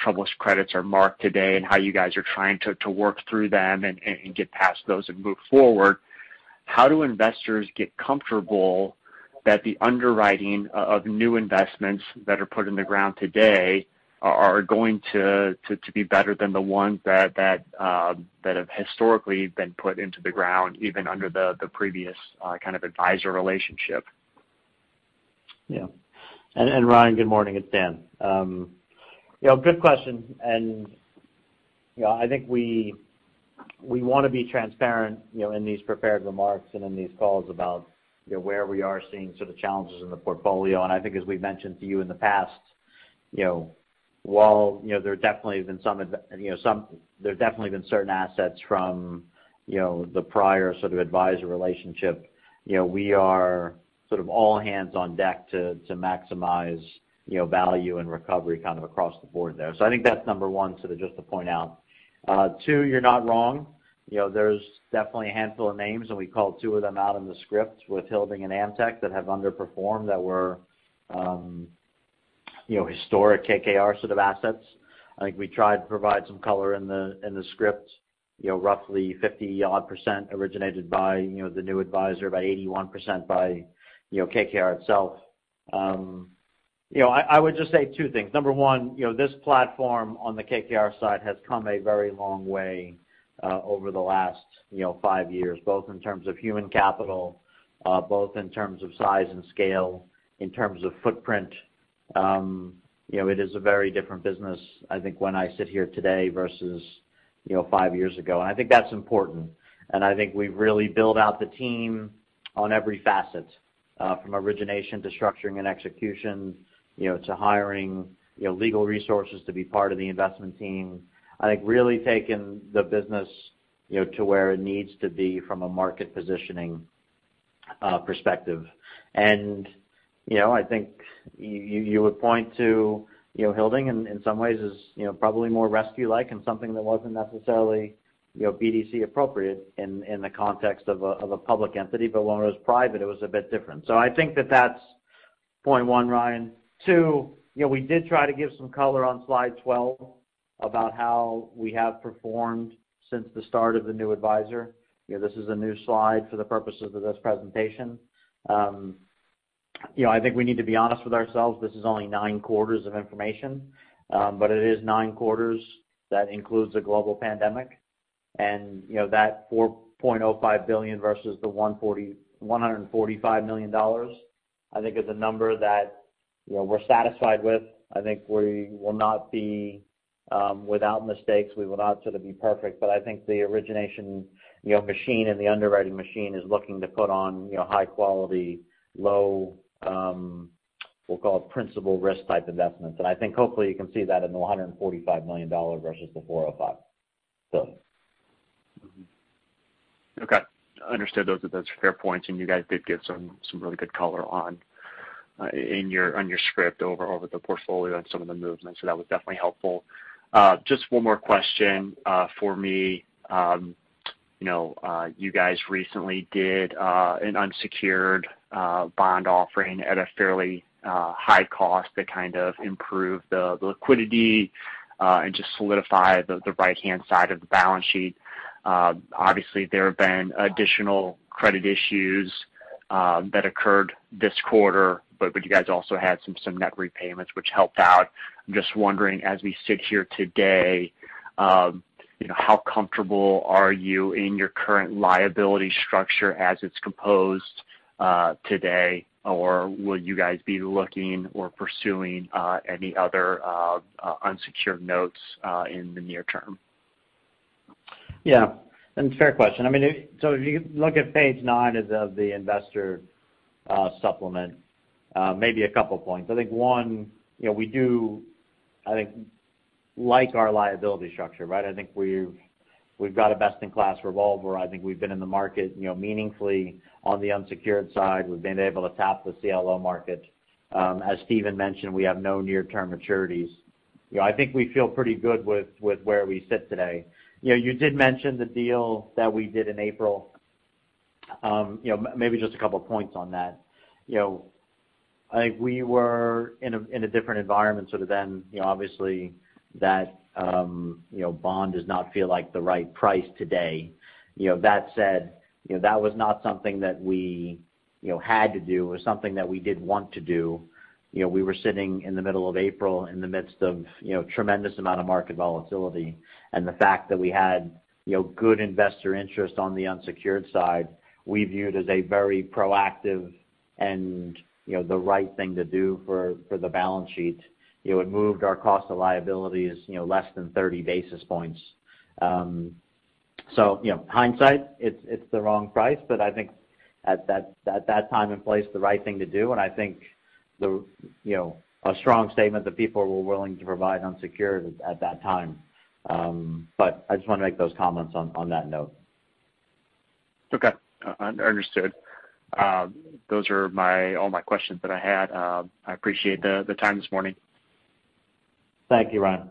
troubled credits are marked today and how you guys are trying to work through them and get past those and move forward, how do investors get comfortable that the underwriting of new investments that are put in the ground today are going to be better than the ones that have historically been put into the ground, even under the previous kind of advisor relationship? Yeah. And Ryan, good morning. It's Dan. Good question. And I think we want to be transparent in these prepared remarks and in these calls about where we are seeing sort of challenges in the portfolio. And I think, as we've mentioned to you in the past, while there definitely have been certain assets from the prior sort of advisor relationship, we are sort of all hands on deck to maximize value and recovery kind of across the board there. So I think that's number one, sort of just to point out. Two, you're not wrong. There's definitely a handful of names, and we called two of them out in the script with Hilding and Amtek that have underperformed that were historic KKR sort of assets. I think we tried to provide some color in the script. Roughly 50-odd% originated by the new advisor, about 81% by KKR itself. I would just say two things. Number one, this platform on the KKR side has come a very long way over the last five years, both in terms of human capital, both in terms of size and scale, in terms of footprint. It is a very different business, I think, when I sit here today versus five years ago. And I think that's important. And I think we've really built out the team on every facet, from origination to structuring and execution to hiring legal resources to be part of the investment team. I think really taking the business to where it needs to be from a market positioning perspective. And I think you would point to Hilding in some ways as probably more rescue-like and something that wasn't necessarily BDC appropriate in the context of a public entity. But when it was private, it was a bit different. So I think that that's point one, Ryan. Two, we did try to give some color on slide 12 about how we have performed since the start of the new advisor. This is a new slide for the purposes of this presentation. I think we need to be honest with ourselves. This is only nine quarters of information, but it is nine quarters that includes a global pandemic. And that $4.05 billion versus the $145 million, I think, is a number that we're satisfied with. I think we will not be without mistakes. We will not sort of be perfect. But I think the origination machine and the underwriting machine is looking to put on high-quality, low, we'll call it principal risk type investments. And I think hopefully you can see that in the $145 million versus the $405 billion. Okay. Understood those are the fair points. And you guys did give some really good color on your spread over the portfolio and some of the movement. So that was definitely helpful. Just one more question for me. You guys recently did an unsecured bond offering at a fairly high cost that kind of improved the liquidity and just solidified the right-hand side of the balance sheet. Obviously, there have been additional credit issues that occurred this quarter, but you guys also had some net repayments, which helped out. I'm just wondering, as we sit here today, how comfortable are you in your current liability structure as it's composed today? Or will you guys be looking or pursuing any other unsecured notes in the near term? Yeah. And it's a fair question. I mean, so if you look at page nine of the investor supplement, maybe a couple of points. I think one, we do, I think, like our liability structure, right? I think we've got a best-in-class revolver. I think we've been in the market meaningfully on the unsecured side. We've been able to tap the CLO market. As Steven mentioned, we have no near-term maturities. I think we feel pretty good with where we sit today. You did mention the deal that we did in April. Maybe just a couple of points on that. I think we were in a different environment sort of then. Obviously, that bond does not feel like the right price today. That said, that was not something that we had to do. It was something that we did want to do. We were sitting in the middle of April, in the midst of a tremendous amount of market volatility, and the fact that we had good investor interest on the unsecured side, we viewed as a very proactive and the right thing to do for the balance sheet. It moved our cost of liabilities less than 30 basis points, so hindsight, it's the wrong price, but I think at that time and place, the right thing to do, and I think a strong statement that people were willing to provide unsecured at that time, but I just want to make those comments on that note. Okay. Understood. Those are all my questions that I had. I appreciate the time this morning. Thank you, Ryan.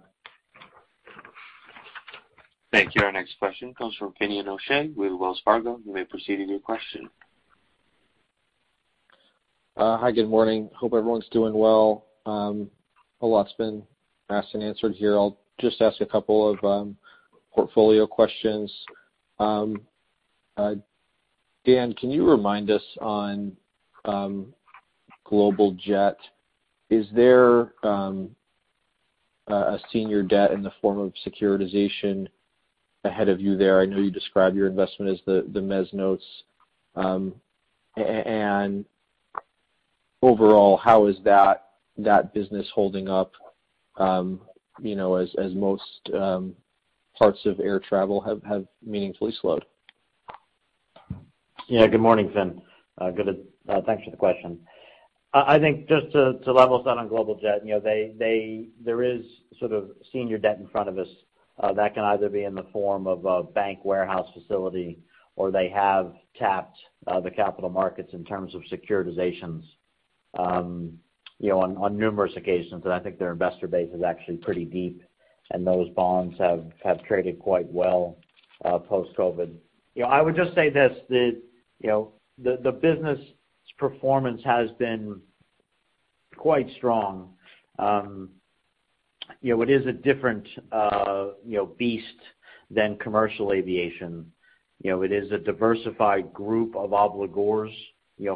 Thank you. Our next question comes from Finian O'Shea with Wells Fargo. You may proceed with your question. Hi. Good morning. Hope everyone's doing well. A lot's been asked and answered here. I'll just ask a couple of portfolio questions. Dan, can you remind us on Global Jet? Is there a senior debt in the form of securitization ahead of you there? I know you described your investment as the mezz notes, and overall, how is that business holding up as most parts of air travel have meaningfully slowed? Yeah. Good morning, Fin. Thanks for the question. I think just to level us out on Global Jet, there is sort of senior debt in front of us that can either be in the form of a bank warehouse facility, or they have tapped the capital markets in terms of securitizations on numerous occasions, and I think their investor base is actually pretty deep, and those bonds have traded quite well post-COVID. I would just say this. The business performance has been quite strong. It is a different beast than commercial aviation. It is a diversified group of obligors,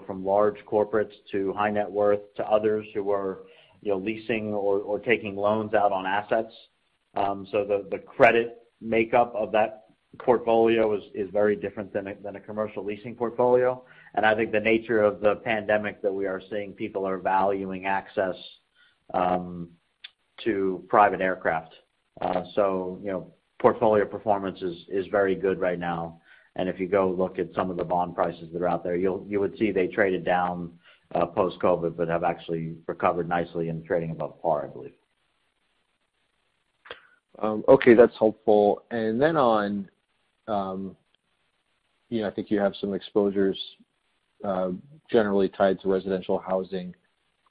from large corporates to high net worth to others who are leasing or taking loans out on assets. So the credit makeup of that portfolio is very different than a commercial leasing portfolio. And I think the nature of the pandemic that we are seeing, people are valuing access to private aircraft. So portfolio performance is very good right now. And if you go look at some of the bond prices that are out there, you would see they traded down post-COVID but have actually recovered nicely and trading above par, I believe. Okay. That's helpful. And then on, I think you have some exposures generally tied to residential housing.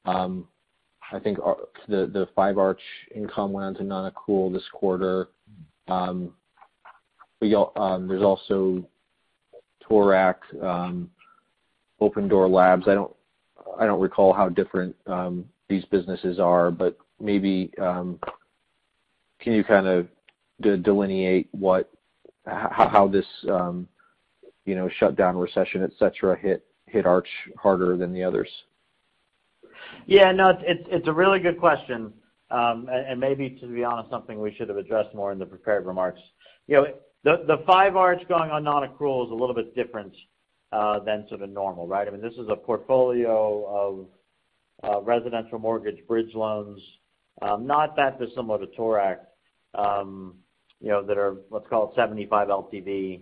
I think the 5 Arch income went on to nonaccrual this quarter. There's also Torrid, Opendoor. I don't recall how different these businesses are, but maybe can you kind of delineate how this shutdown, recession, etc., hit Arch harder than the others? Yeah. No, it's a really good question. And maybe, to be honest, something we should have addressed more in the prepared remarks. The 5 Arch going on non-accrual is a little bit different than sort of normal, right? I mean, this is a portfolio of residential mortgage bridge loans, not that they're similar to Torrid that are, let's call it, 75 LTV.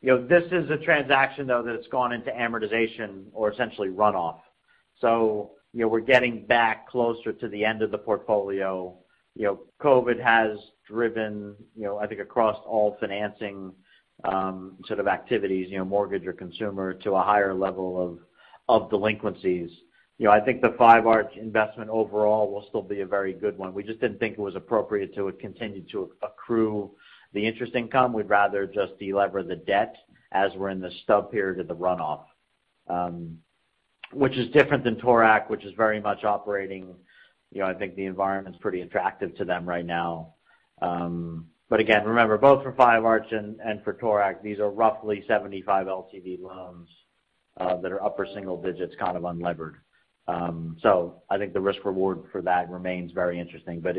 This is a transaction, though, that's gone into amortization or essentially runoff. So we're getting back closer to the end of the portfolio. COVID has driven, I think, across all financing sort of activities, mortgage or consumer, to a higher level of delinquencies. I think the 5 Arch investment overall will still be a very good one. We just didn't think it was appropriate to continue to accrue the interest income. We'd rather just deleverage the debt as we're in the stub period of the runoff, which is different than Torrid, which is very much operating. I think the environment's pretty attractive to them right now, but again, remember, both for 5 Arch and for Torrid, these are roughly 75 LTV loans that are upper single digits, kind of unlevered. So I think the risk-reward for that remains very interesting, but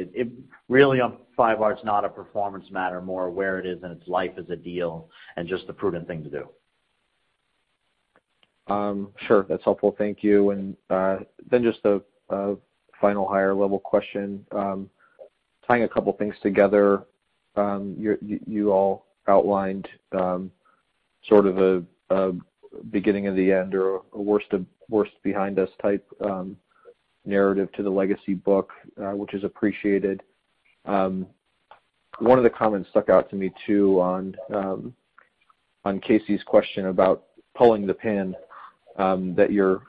really, on 5 Arch, not a performance matter, more where it is in its life as a deal and just a prudent thing to do. Sure. That's helpful. Thank you. And then just a final higher-level question, tying a couple of things together. You all outlined sort of a beginning of the end or a worst-behind-us type narrative to the legacy book, which is appreciated. One of the comments stuck out to me too on Casey's question about pulling the pin that you're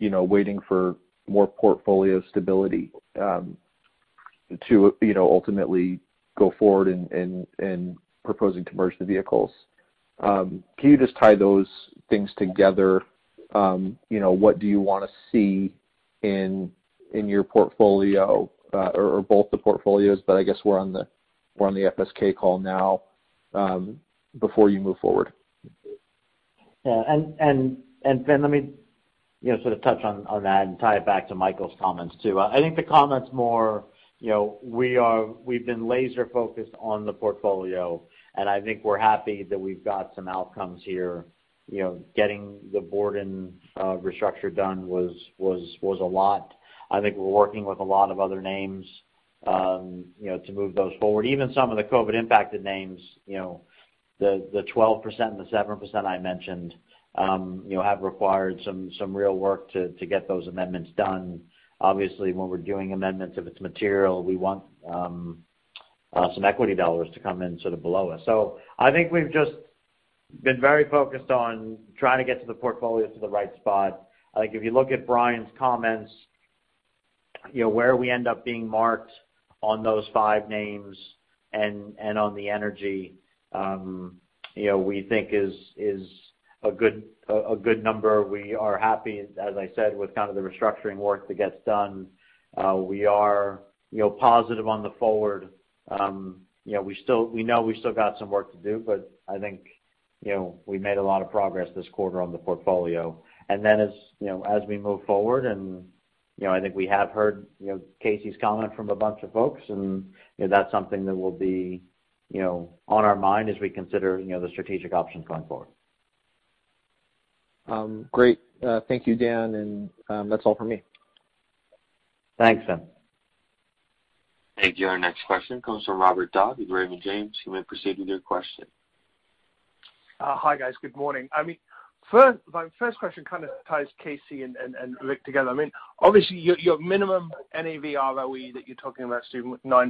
waiting for more portfolio stability to ultimately go forward in proposing to merge the vehicles. Can you just tie those things together? What do you want to see in your portfolio or both the portfolios? But I guess we're on the FSK call now before you move forward. Yeah, and Fin, let me sort of touch on that and tie it back to Michael's comments too. I think the comments more, we've been laser-focused on the portfolio, and I think we're happy that we've got some outcomes here. Getting the Borden restructure done was a lot. I think we're working with a lot of other names to move those forward. Even some of the COVID-impacted names, the 12% and the 7% I mentioned, have required some real work to get those amendments done. Obviously, when we're doing amendments, if it's material, we want some equity dollars to come in sort of below us. So I think we've just been very focused on trying to get the portfolio to the right spot. I think if you look at Brian's comments, where we end up being marked on those five names and on the energy, we think is a good number. We are happy, as I said, with kind of the restructuring work that gets done. We are positive on the forward. We know we still got some work to do, but I think we made a lot of progress this quarter on the portfolio. And then as we move forward, and I think we have heard Casey's comment from a bunch of folks, and that's something that will be on our mind as we consider the strategic options going forward. Great. Thank you, Dan. And that's all for me. Thanks, Fin. Thank you. Our next question comes from Robert Dodd with Raymond James. You may proceed with your question. Hi, guys. Good morning. I mean, my first question kind of ties Casey and Rick together. I mean, obviously, your minimum NAV ROE that you're talking about, Steven, 9%,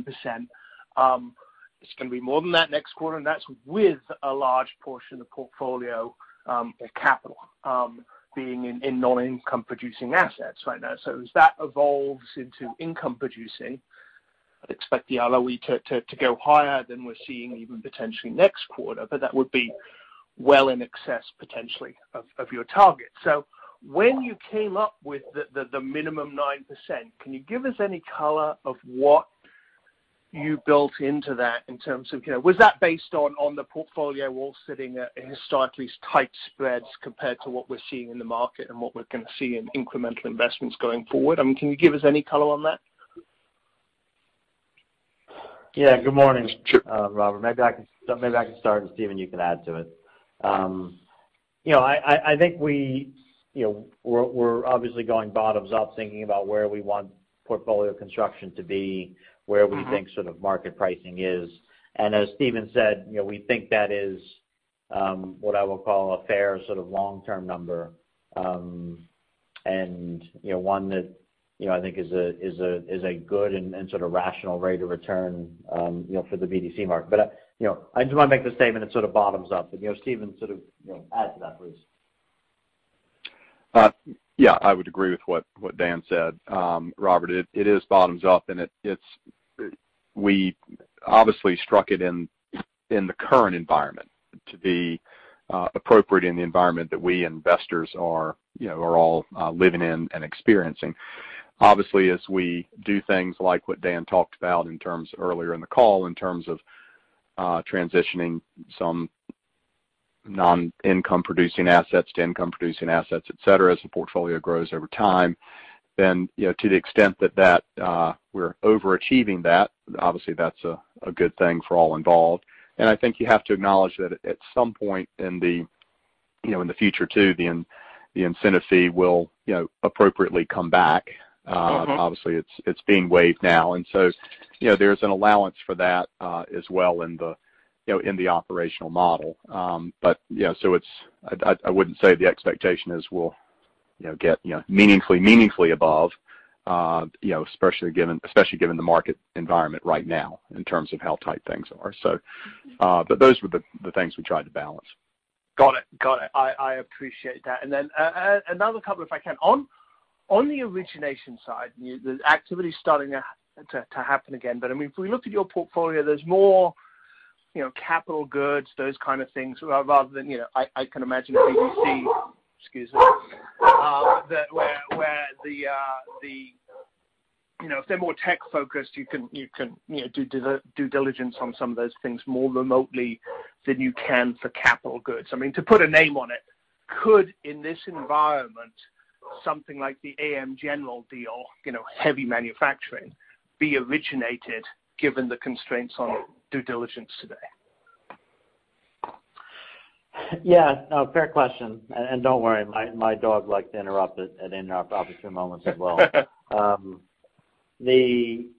it's going to be more than that next quarter, and that's with a large portion of the portfolio of capital being in non-income-producing assets right now, so as that evolves into income-producing, I'd expect the ROE to go higher than we're seeing even potentially next quarter, but that would be well in excess, potentially, of your target, so when you came up with the minimum 9%, can you give us any color of what you built into that in terms of was that based on the portfolio all sitting at historically tight spreads compared to what we're seeing in the market and what we're going to see in incremental investments going forward? I mean, can you give us any color on that? Yeah. Good morning, Robert. Maybe I can start, and Steven, you can add to it. I think we're obviously going bottoms up, thinking about where we want portfolio construction to be, where we think sort of market pricing is, and as Steven said, we think that is what I will call a fair sort of long-term number and one that I think is a good and sort of rational rate of return for the BDC market, but I just want to make the statement it's sort of bottoms up, but Steven sort of adds to that, please. Yeah. I would agree with what Dan said. Robert, it is bottoms up, and we obviously struck it in the current environment to be appropriate in the environment that we investors are all living in and experiencing. Obviously, as we do things like what Dan talked about earlier in the call, in terms of transitioning some non-income-producing assets to income-producing assets, etc., as the portfolio grows over time, then to the extent that we're overachieving that, obviously, that's a good thing for all involved. And I think you have to acknowledge that at some point in the future too, the incentive fee will appropriately come back. Obviously, it's being waived now. And so there's an allowance for that as well in the operational model. But so I wouldn't say the expectation is we'll get meaningfully above, especially given the market environment right now in terms of how tight things are. But those were the things we tried to balance. Got it. Got it. I appreciate that. And then another couple, if I can. On the origination side, the activity's starting to happen again. But I mean, if we look at your portfolio, there's more capital goods, those kind of things, rather than I can imagine BDC, excuse me, where if they're more tech-focused, you can do due diligence on some of those things more remotely than you can for capital goods. I mean, to put a name on it, could, in this environment, something like the AM General deal, heavy manufacturing, be originated given the constraints on due diligence today? Yeah. No, fair question. And don't worry. My dog liked to interrupt at opportune moments as well. I mean,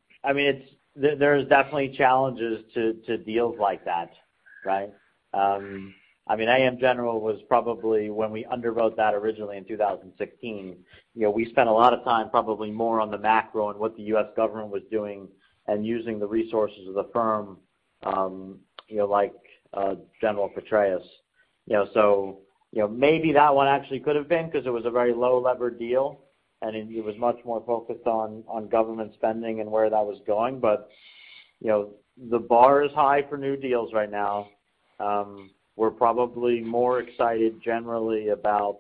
there are definitely challenges to deals like that, right? I mean, AM General was probably when we underwrote that originally in 2016, we spent a lot of time, probably more on the macro and what the U.S. government was doing and using the resources of the firm like General Petraeus. So maybe that one actually could have been because it was a very low-levered deal, and it was much more focused on government spending and where that was going. But the bar is high for new deals right now. We're probably more excited generally about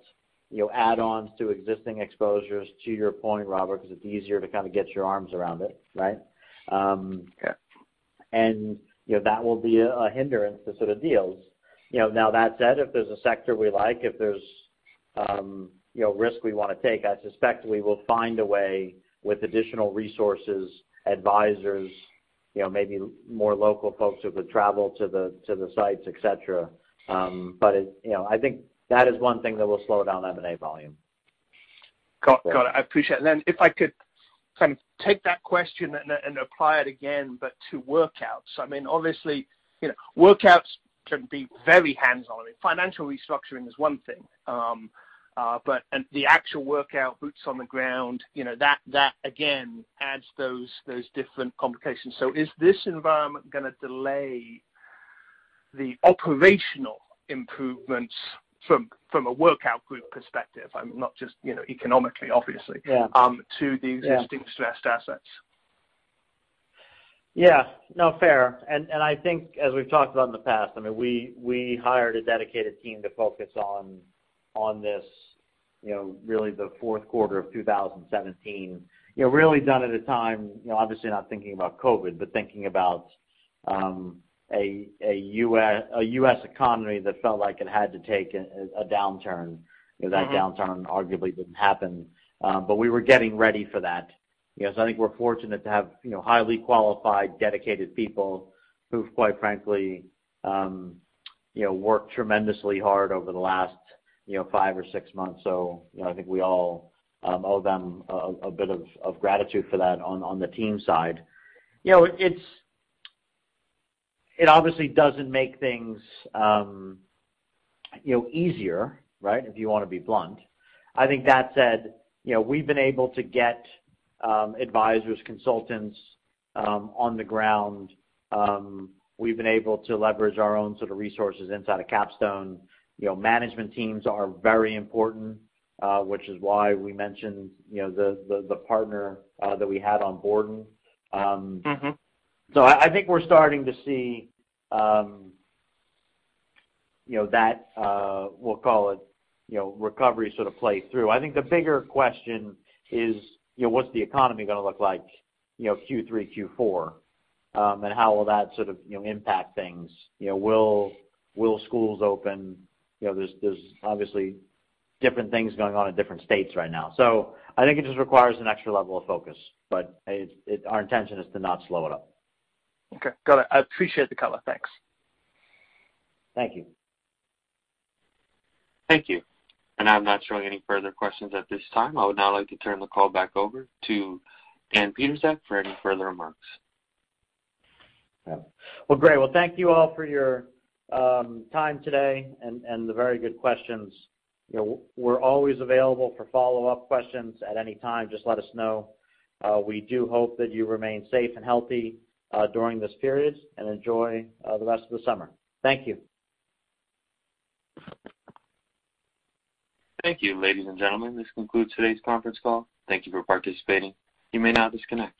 add-ons to existing exposures, to your point, Robert, because it's easier to kind of get your arms around it, right? And that will be a hindrance to sort of deals. Now, that said, if there's a sector we like, if there's risk we want to take, I suspect we will find a way with additional resources, advisors, maybe more local folks who could travel to the sites, etc. But I think that is one thing that will slow down M&A volume. Got it. Got it. I appreciate it. And then if I could kind of take that question and apply it again, but to workouts. I mean, obviously, workouts can be very hands-on. I mean, financial restructuring is one thing, but the actual workout, boots on the ground, that again adds those different complications. So is this environment going to delay the operational improvements from a workout group perspective? I mean, not just economically, obviously, to the existing stressed assets. Yeah. No, fair, and I think, as we've talked about in the past, I mean, we hired a dedicated team to focus on this, really, the fourth quarter of 2017, really done at a time, obviously not thinking about COVID, but thinking about a U.S. economy that felt like it had to take a downturn, that downturn arguably didn't happen, but we were getting ready for that, so I think we're fortunate to have highly qualified, dedicated people who've, quite frankly, worked tremendously hard over the last five or six months, so I think we all owe them a bit of gratitude for that on the team side. It obviously doesn't make things easier, right, if you want to be blunt, I think. That said, we've been able to get advisors, consultants on the ground. We've been able to leverage our own sort of resources inside of Capstone. Management teams are very important, which is why we mentioned the partner that we had on board. So I think we're starting to see that, we'll call it, recovery sort of play through. I think the bigger question is, what's the economy going to look like Q3, Q4, and how will that sort of impact things? Will schools open? There's obviously different things going on in different states right now. So I think it just requires an extra level of focus. But our intention is to not slow it up. Okay. Got it. I appreciate the color. Thanks. Thank you. Thank you. And I'm not showing any further questions at this time. I would now like to turn the call back over to Dan Pietrzak for any further remarks. Great. Thank you all for your time today and the very good questions. We're always available for follow-up questions at any time. Just let us know. We do hope that you remain safe and healthy during this period and enjoy the rest of the summer. Thank you. Thank you, ladies and gentlemen. This concludes today's conference call. Thank you for participating. You may now disconnect.